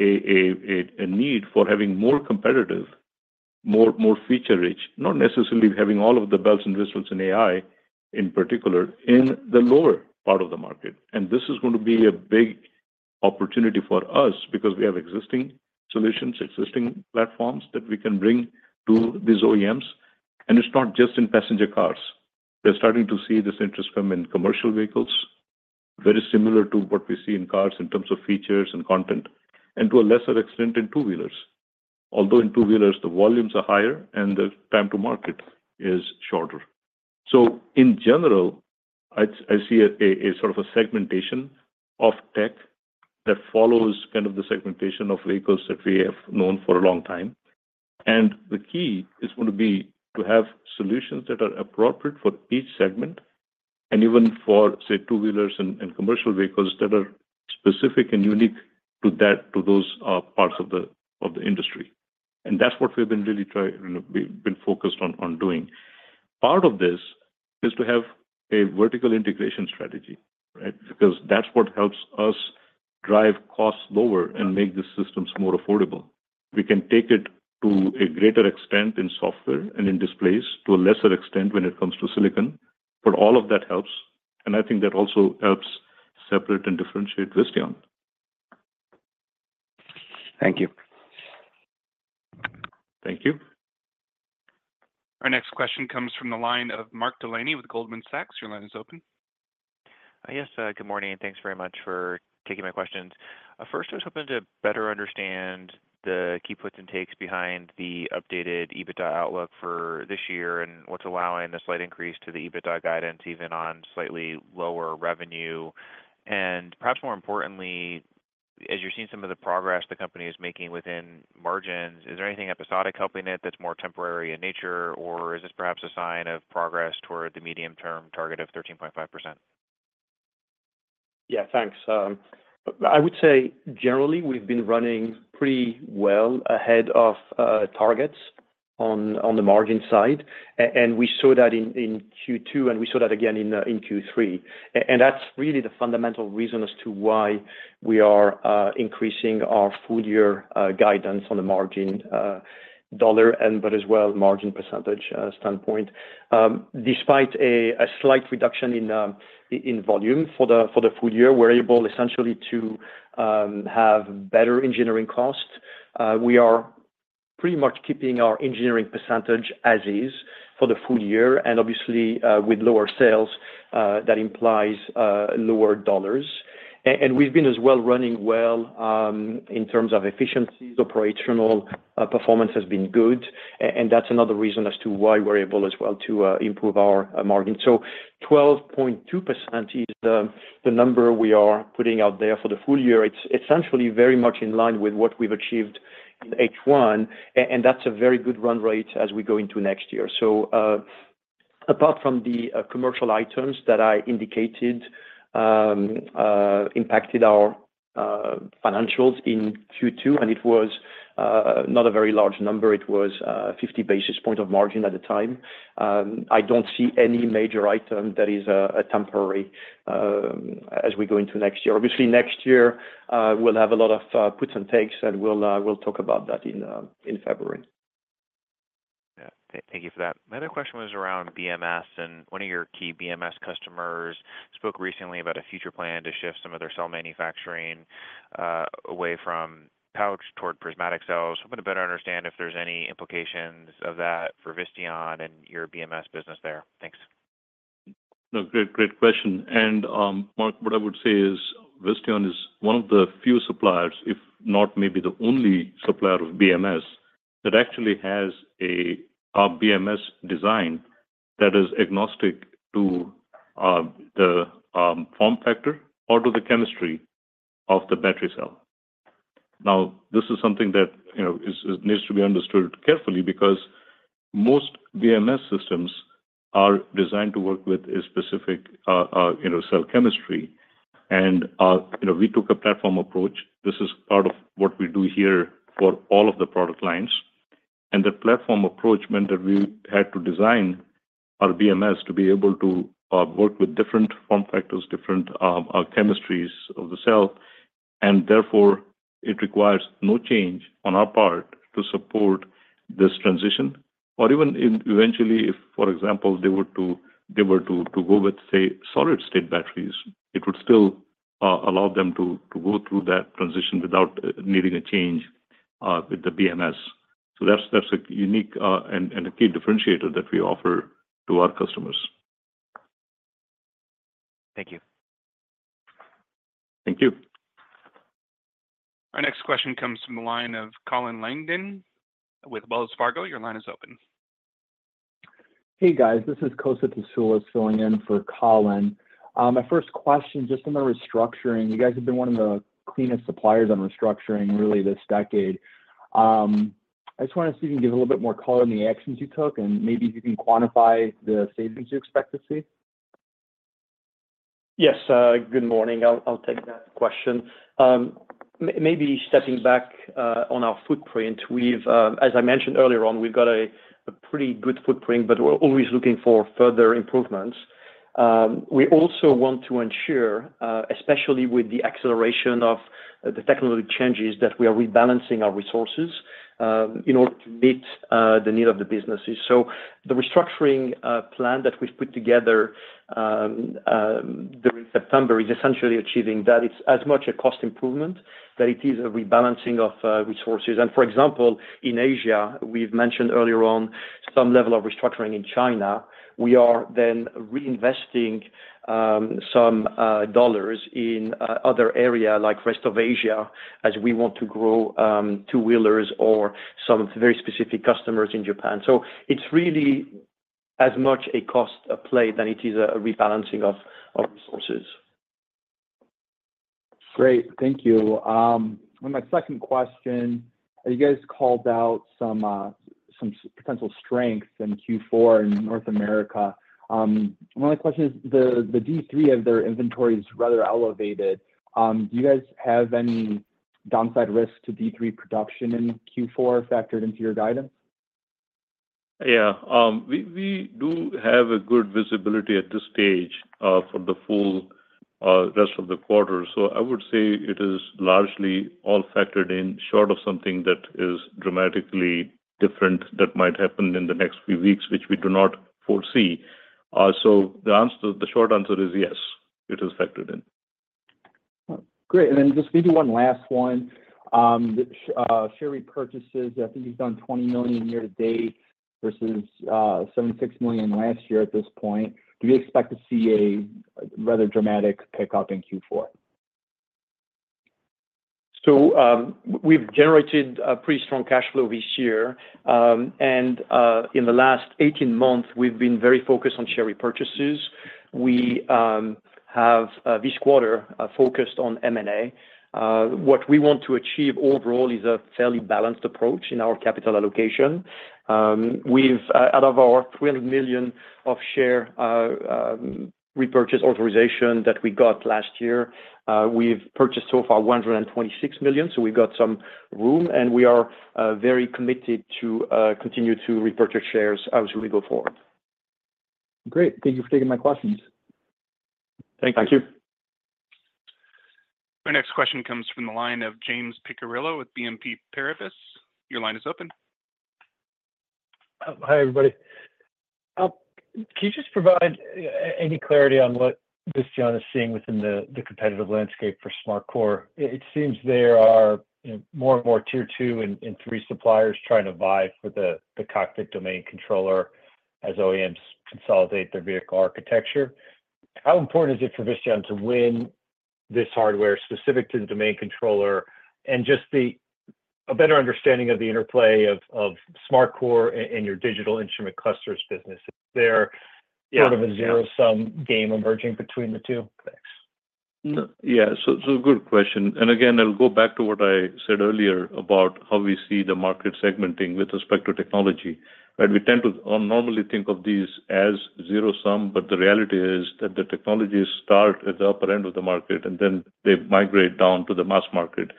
a need for having more competitive, more feature-rich, not necessarily having all of the bells and whistles in AI, in particular, in the lower part of the market. This is gonna be a big opportunity for us because we have existing solutions, existing platforms that we can bring to these OEMs. It's not just in passenger cars. We're starting to see this interest come in commercial vehicles, very similar to what we see in cars in terms of features and content, and to a lesser extent, in two-wheelers. Although in two-wheelers, the volumes are higher and the time to market is shorter. In general, I see a sort of segmentation of tech that follows kind of the segmentation of vehicles that we have known for a long time. The key is gonna be to have solutions that are appropriate for each segment and even for, say, two-wheelers and commercial vehicles that are specific and unique to those parts of the industry. That's what we've been really trying, you know. We've been focused on doing. Part of this is to have a vertical integration strategy, right? Because that's what helps us drive costs lower and make the systems more affordable. We can take it to a greater extent in software and in displays, to a lesser extent when it comes to silicon, but all of that helps, and I think that also helps separate and differentiate Visteon. Thank you. Thank you. Our next question comes from the line of Mark Delaney with Goldman Sachs. Your line is open. Yes, good morning, and thanks very much for taking my questions. First, I was hoping to better understand the key puts and takes behind the updated EBITDA outlook for this year and what's allowing the slight increase to the EBITDA guidance, even on slightly lower revenue. Perhaps more importantly, as you're seeing some of the progress the company is making within margins, is there anything episodic helping it that's more temporary in nature, or is this perhaps a sign of progress toward the medium-term target of 13.5%? Yeah, thanks. I would say, generally, we've been running pretty well ahead of targets on the margin side, and we saw that in Q2, and we saw that again in Q3. And that's really the fundamental reason as to why we are increasing our full year guidance on the margin dollar and but as well, margin percentage standpoint. Despite a slight reduction in volume for the full year, we're able essentially to have better engineering costs. We are pretty much keeping our engineering percentage as is for the full year, and obviously, with lower sales, that implies lower dollars. And we've been as well running well in terms of efficiencies. Operational performance has been good, and that's another reason as to why we're able as well to improve our margin. So 12.2% is the number we are putting out there for the full year. It's essentially very much in line with what we've achieved in H1, and that's a very good run rate as we go into next year. So, apart from the commercial items that I indicated, impacted our financials in Q2, and it was not a very large number, it was 50 basis points of margin at the time. I don't see any major item that is a temporary as we go into next year. Obviously, next year, we'll have a lot of puts and takes, and we'll talk about that in February. Yeah. Thank you for that. My other question was around BMS, and one of your key BMS customers spoke recently about a future plan to shift some of their cell manufacturing away from pouch toward prismatic cells. I'm gonna better understand if there's any implications of that for Visteon and your BMS business there. Thanks. No, great, great question, and Mark, what I would say is Visteon is one of the few suppliers, if not maybe the only supplier of BMS, that actually has a BMS design that is agnostic to the form factor or to the chemistry of the battery cell. Now, this is something that you know is needs to be understood carefully, because most BMS systems are designed to work with a specific you know cell chemistry, and you know we took a platform approach. This is part of what we do here for all of the product lines, and the platform approach meant that we had to design our BMS to be able to work with different form factors, different chemistries of the cell, and therefore, it requires no change on our part to support this transition. Or even eventually, if, for example, they were to go with, say, solid-state batteries, it would still allow them to go through that transition without needing a change with the BMS. So that's a unique and a key differentiator that we offer to our customers. Thank you. Thank you. Our next question comes from the line of Colin Langan with Wells Fargo. Your line is open. Hey, guys, this is Kosta Tasoulis filling in for Colin. My first question, just on the restructuring, you guys have been one of the cleanest suppliers on restructuring, really, this decade. I just want to see if you can give a little bit more color on the actions you took and maybe if you can quantify the savings you expect to see. Yes, good morning. I'll take that question. Maybe stepping back on our footprint, we've as I mentioned earlier on, we've got a pretty good footprint, but we're always looking for further improvements. We also want to ensure, especially with the acceleration of the technology changes, that we are rebalancing our resources in order to meet the need of the businesses. So the restructuring plan that we've put together during September is essentially achieving that. It's as much a cost improvement that it is a rebalancing of resources. And for example, in Asia, we've mentioned earlier on some level of restructuring in China. We are then reinvesting some dollars in other area like Rest of Asia, as we want to grow two-wheelers or some very specific customers in Japan. So it's really as much a cost play than it is a rebalancing of resources. Great. Thank you. My second question, you guys called out some potential strengths in Q4 in North America. One of my questions, the D3 of their inventory is rather elevated. Do you guys have any downside risk to D3 production in Q4 factored into your guidance? Yeah. We do have good visibility at this stage for the full rest of the quarter. So I would say it is largely all factored in, short of something that is dramatically different that might happen in the next few weeks, which we do not foresee, so the answer, the short answer is yes, it is factored in. Great. And then just maybe one last one. Share repurchases, I think you've done $20 million year to date versus $76 million last year at this point. Do you expect to see a rather dramatic pickup in Q4? So, we've generated a pretty strong cash flow this year, and in the last 18 months, we've been very focused on share repurchases. We have, this quarter, focused on M&A. What we want to achieve overall is a fairly balanced approach in our capital allocation. Out of our $12 million of share repurchase authorization that we got last year, we've purchased so far $126 million, so we've got some room, and we are very committed to continue to repurchase shares as we go forward. Great. Thank you for taking my questions. Thank you. Thank you. Our next question comes from the line of James Picariello with BNP Paribas. Your line is open. Hi, everybody. Can you just provide any clarity on what Visteon is seeing within the competitive landscape for SmartCore? It seems there are, you know, more and more tier two and three suppliers trying to vie for the cockpit domain controller as OEMs consolidate their vehicle architecture. How important is it for Visteon to win this hardware, specific to the domain controller, and just the... A better understanding of the interplay of SmartCore and your digital instrument clusters business? Is there- Yeah, yeah Sort of a zero-sum game emerging between the two? Thanks. No. Yeah, so good question. Again, I'll go back to what I said earlier about how we see the market segmenting with respect to technology, right? We tend to normally think of these as zero-sum, but the reality is that the technologies start at the upper end of the market, and then they migrate down to the mass market.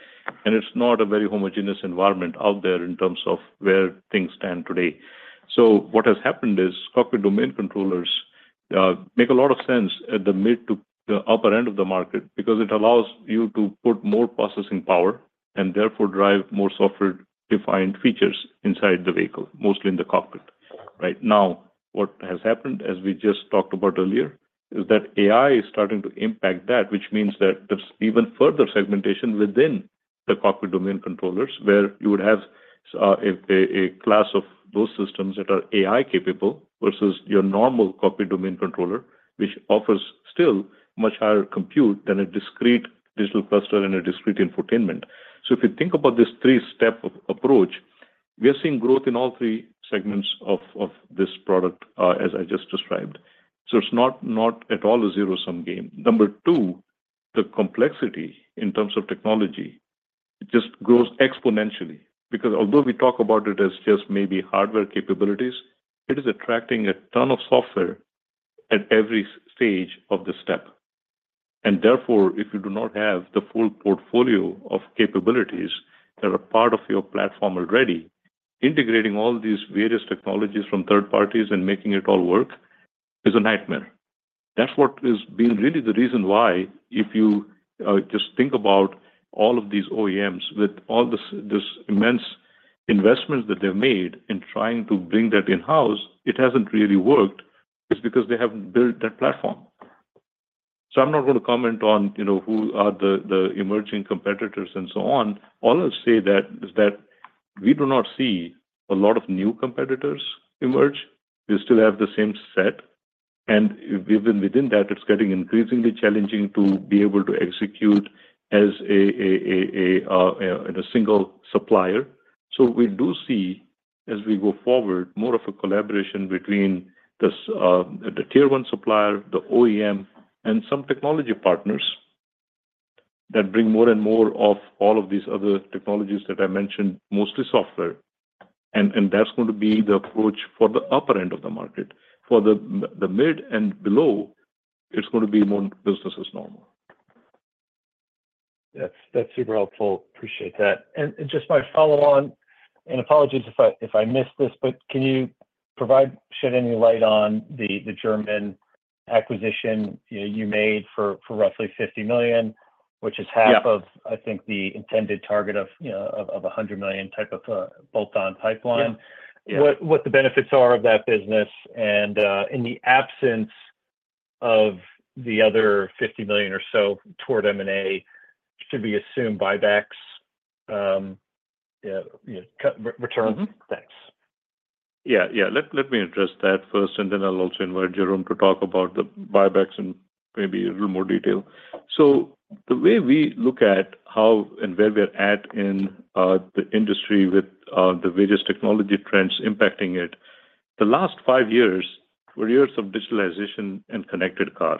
It's not a very homogeneous environment out there in terms of where things stand today. What has happened is, cockpit domain controllers make a lot of sense at the mid to the upper end of the market, because it allows you to put more processing power, and therefore drive more software-defined features inside the vehicle, mostly in the cockpit. Right now, what has happened, as we just talked about earlier, is that AI is starting to impact that, which means that there's even further segmentation within the cockpit domain controllers, where you would have a class of those systems that are AI-capable versus your normal cockpit domain controller, which offers still much higher compute than a discrete digital cluster and a discrete infotainment. So if you think about this three-step approach, we are seeing growth in all three segments of this product, as I just described. So it's not at all a zero-sum game. Number two, the complexity in terms of technology, it just grows exponentially. Because although we talk about it as just maybe hardware capabilities, it is attracting a ton of software at every stage of the step. And therefore, if you do not have the full portfolio of capabilities that are part of your platform already, integrating all these various technologies from third parties and making it all work is a nightmare. That's what has been really the reason why if you just think about all of these OEMs with all this immense investments that they've made in trying to bring that in-house, it hasn't really worked, is because they haven't built that platform. So I'm not going to comment on, you know, who are the emerging competitors and so on. All I'll say that is that we do not see a lot of new competitors emerge. We still have the same set, and even within that, it's getting increasingly challenging to be able to execute as a single supplier. So we do see, as we go forward, more of a collaboration between this, the tier one supplier, the OEM, and some technology partners that bring more and more of all of these other technologies that I mentioned, mostly software. And that's going to be the approach for the upper end of the market. For the mid and below, it's going to be more business as normal. That's super helpful. Appreciate that. Just my follow-on, and apologies if I missed this, but can you shed any light on the German acquisition, you know, you made for roughly $50 million- Yeah. -which is half of, I think, the intended target of, you know, of a hundred million type of bolt-on pipeline? Yeah. Yeah. What the benefits are of that business, and in the absence of the other $50 million or so toward M&A, should we assume buybacks, you know, cut returns? Mm-hmm. Thanks. Yeah, yeah. Let me address that first, and then I'll also invite Jerome to talk about the buybacks in maybe a little more detail. So the way we look at how and where we're at in the industry with the various technology trends impacting it, the last five years were years of digitalization and connected car.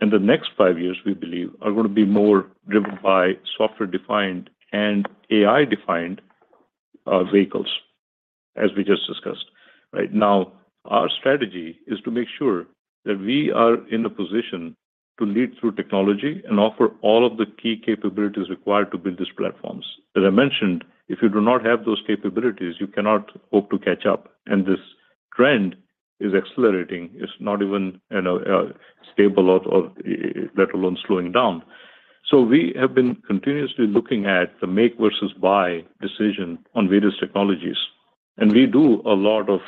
And the next five years, we believe, are going to be more driven by software-defined and AI-defined vehicles, as we just discussed. Right now, our strategy is to make sure that we are in a position to lead through technology and offer all of the key capabilities required to build these platforms. As I mentioned, if you do not have those capabilities, you cannot hope to catch up, and this trend is accelerating. It's not even, you know, stable or let alone slowing down. We have been continuously looking at the make versus buy decision on various technologies, and we do a lot of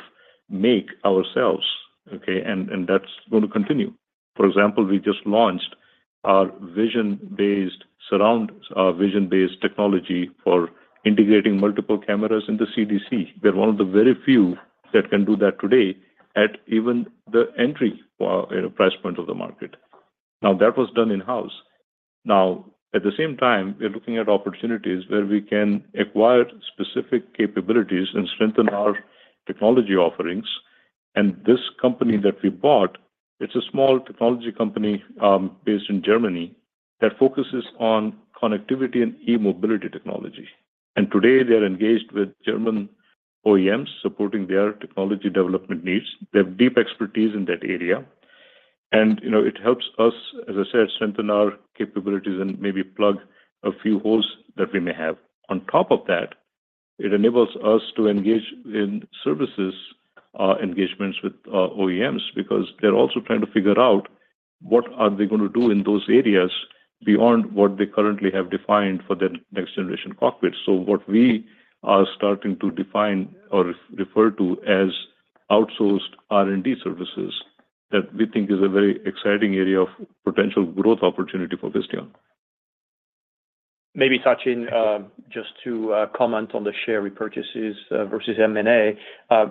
make ourselves, okay? And that's going to continue. For example, we just launched our vision-based technology for integrating multiple cameras in the CDC. We're one of the very few that can do that today at even the entry price point of the market. Now, that was done in-house. Now, at the same time, we're looking at opportunities where we can acquire specific capabilities and strengthen our technology offerings. And this company that we bought, it's a small technology company based in Germany, that focuses on connectivity and e-mobility technology. And today, they are engaged with German OEMs, supporting their technology development needs. They have deep expertise in that area, and, you know, it helps us, as I said, strengthen our capabilities and maybe plug a few holes that we may have. On top of that, it enables us to engage in services, engagements with OEMs, because they're also trying to figure out what are they going to do in those areas beyond what they currently have defined for their next-generation cockpit. So what we are starting to define or refer to as outsourced R&D services, that we think is a very exciting area of potential growth opportunity for Visteon. Maybe touching just to comment on the share repurchases versus M&A.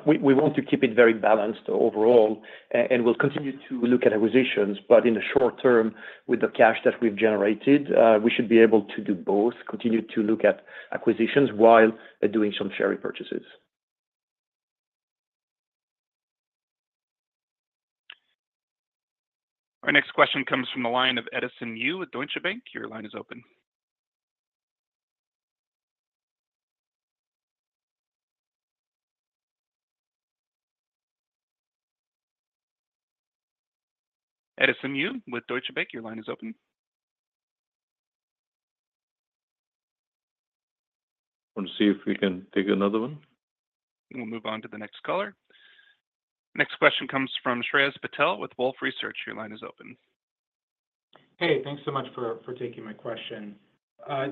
We want to keep it very balanced overall, and we'll continue to look at acquisitions. But in the short term, with the cash that we've generated, we should be able to do both, continue to look at acquisitions while doing some share repurchases. Our next question comes from the line of Edison Yu with Deutsche Bank. Your line is open. Edison Yu with Deutsche Bank, your line is open. Want to see if we can take another one? We'll move on to the next caller. Next question comes from Shreyas Patil with Wolfe Research. Your line is open. Hey, thanks so much for taking my question.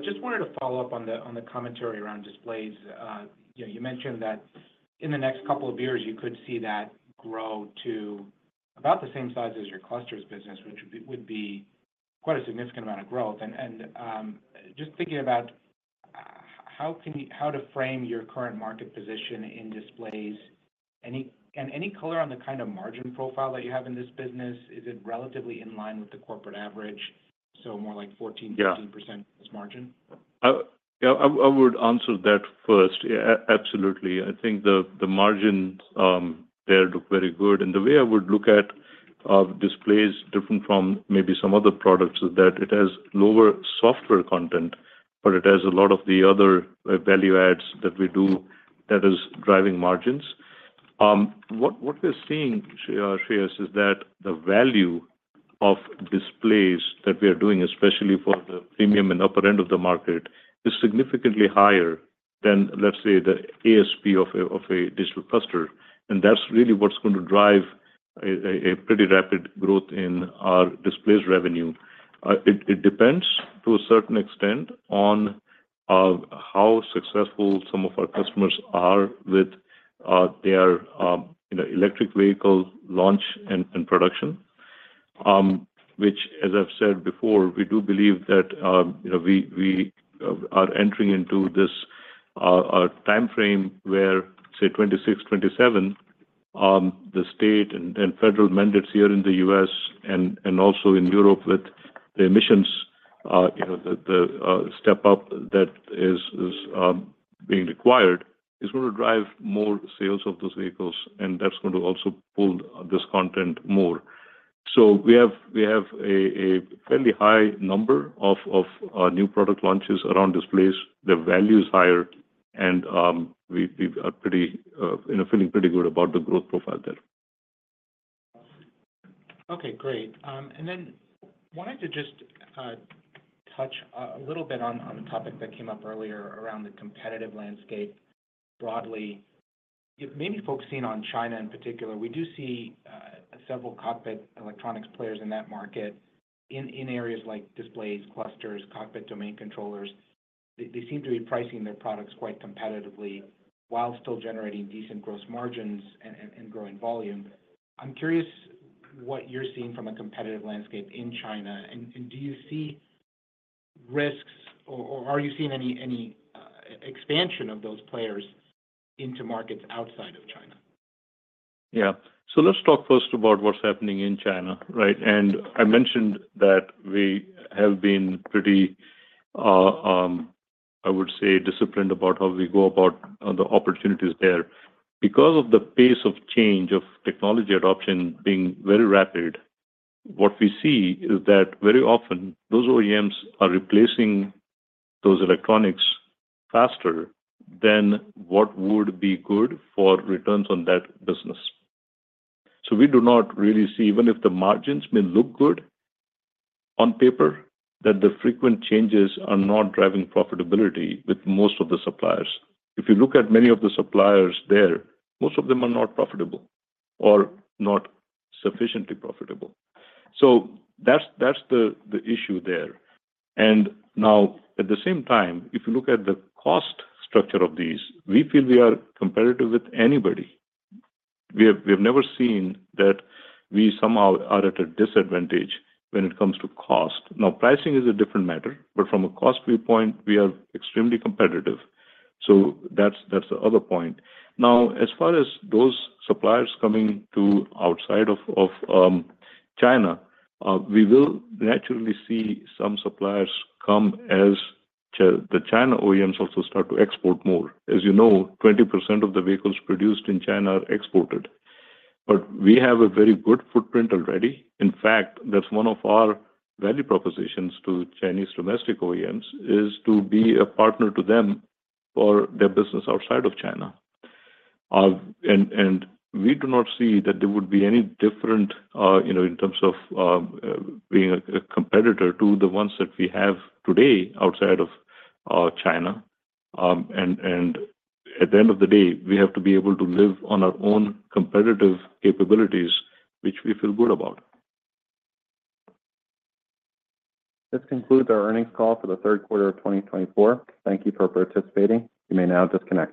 Just wanted to follow up on the commentary around displays. You know, you mentioned that in the next couple of years, you could see that grow to about the same size as your clusters business, which would be quite a significant amount of growth. And just thinking about how can you frame your current market position in displays, any color on the kind of margin profile that you have in this business, is it relatively in line with the corporate average? So more like 14%-15% as margin. Yeah, I would answer that first. Yeah, absolutely. I think the margins there look very good. And the way I would look at displays different from maybe some other products is that it has lower software content, but it has a lot of the other value adds that we do that is driving margins. What we're seeing, Shreyas, is that the value of displays that we are doing, especially for the premium and upper end of the market, is significantly higher than, let's say, the ASP of a digital cluster. And that's really what's going to drive a pretty rapid growth in our displays revenue. It depends to a certain extent on how successful some of our customers are with their you know, electric vehicle launch and production. Which, as I've said before, we do believe that, you know, we are entering into this, a time frame where, say, 2026, 2027, the state and federal mandates here in the U.S. and also in Europe with the emissions, you know, the step up that is being required, is going to drive more sales of those vehicles, and that's going to also pull this content more. So we have a fairly high number of new product launches around displays. The value is higher and, we are pretty, you know, feeling pretty good about the growth profile there. Okay, great. And then wanted to just touch a little bit on the topic that came up earlier around the competitive landscape broadly. Maybe focusing on China in particular, we do see several cockpit electronics players in that market in areas like displays, clusters, cockpit domain controllers. They seem to be pricing their products quite competitively while still generating decent gross margins and growing volume. I'm curious what you're seeing from a competitive landscape in China. And do you see risks or are you seeing any expansion of those players into markets outside of China? Yeah. So let's talk first about what's happening in China, right? And I mentioned that we have been pretty, I would say, disciplined about how we go about the opportunities there. Because of the pace of change of technology adoption being very rapid, what we see is that very often those OEMs are replacing those electronics faster than what would be good for returns on that business. So we do not really see, even if the margins may look good on paper, that the frequent changes are not driving profitability with most of the suppliers. If you look at many of the suppliers there, most of them are not profitable or not sufficiently profitable. So that's the issue there. And now, at the same time, if you look at the cost structure of these, we feel we are competitive with anybody. We've never seen that we somehow are at a disadvantage when it comes to cost. Now, pricing is a different matter, but from a cost viewpoint, we are extremely competitive. So that's the other point. Now, as far as those suppliers coming outside of China, we will naturally see some suppliers come as the China OEMs also start to export more. As you know, 20% of the vehicles produced in China are exported. But we have a very good footprint already. In fact, that's one of our value propositions to Chinese domestic OEMs, is to be a partner to them for their business outside of China. We do not see that there would be any different, you know, in terms of being a competitor to the ones that we have today outside of China. At the end of the day, we have to be able to live on our own competitive capabilities, which we feel good about. This concludes our earnings call for the third quarter of 2024. Thank you for participating. You may now disconnect.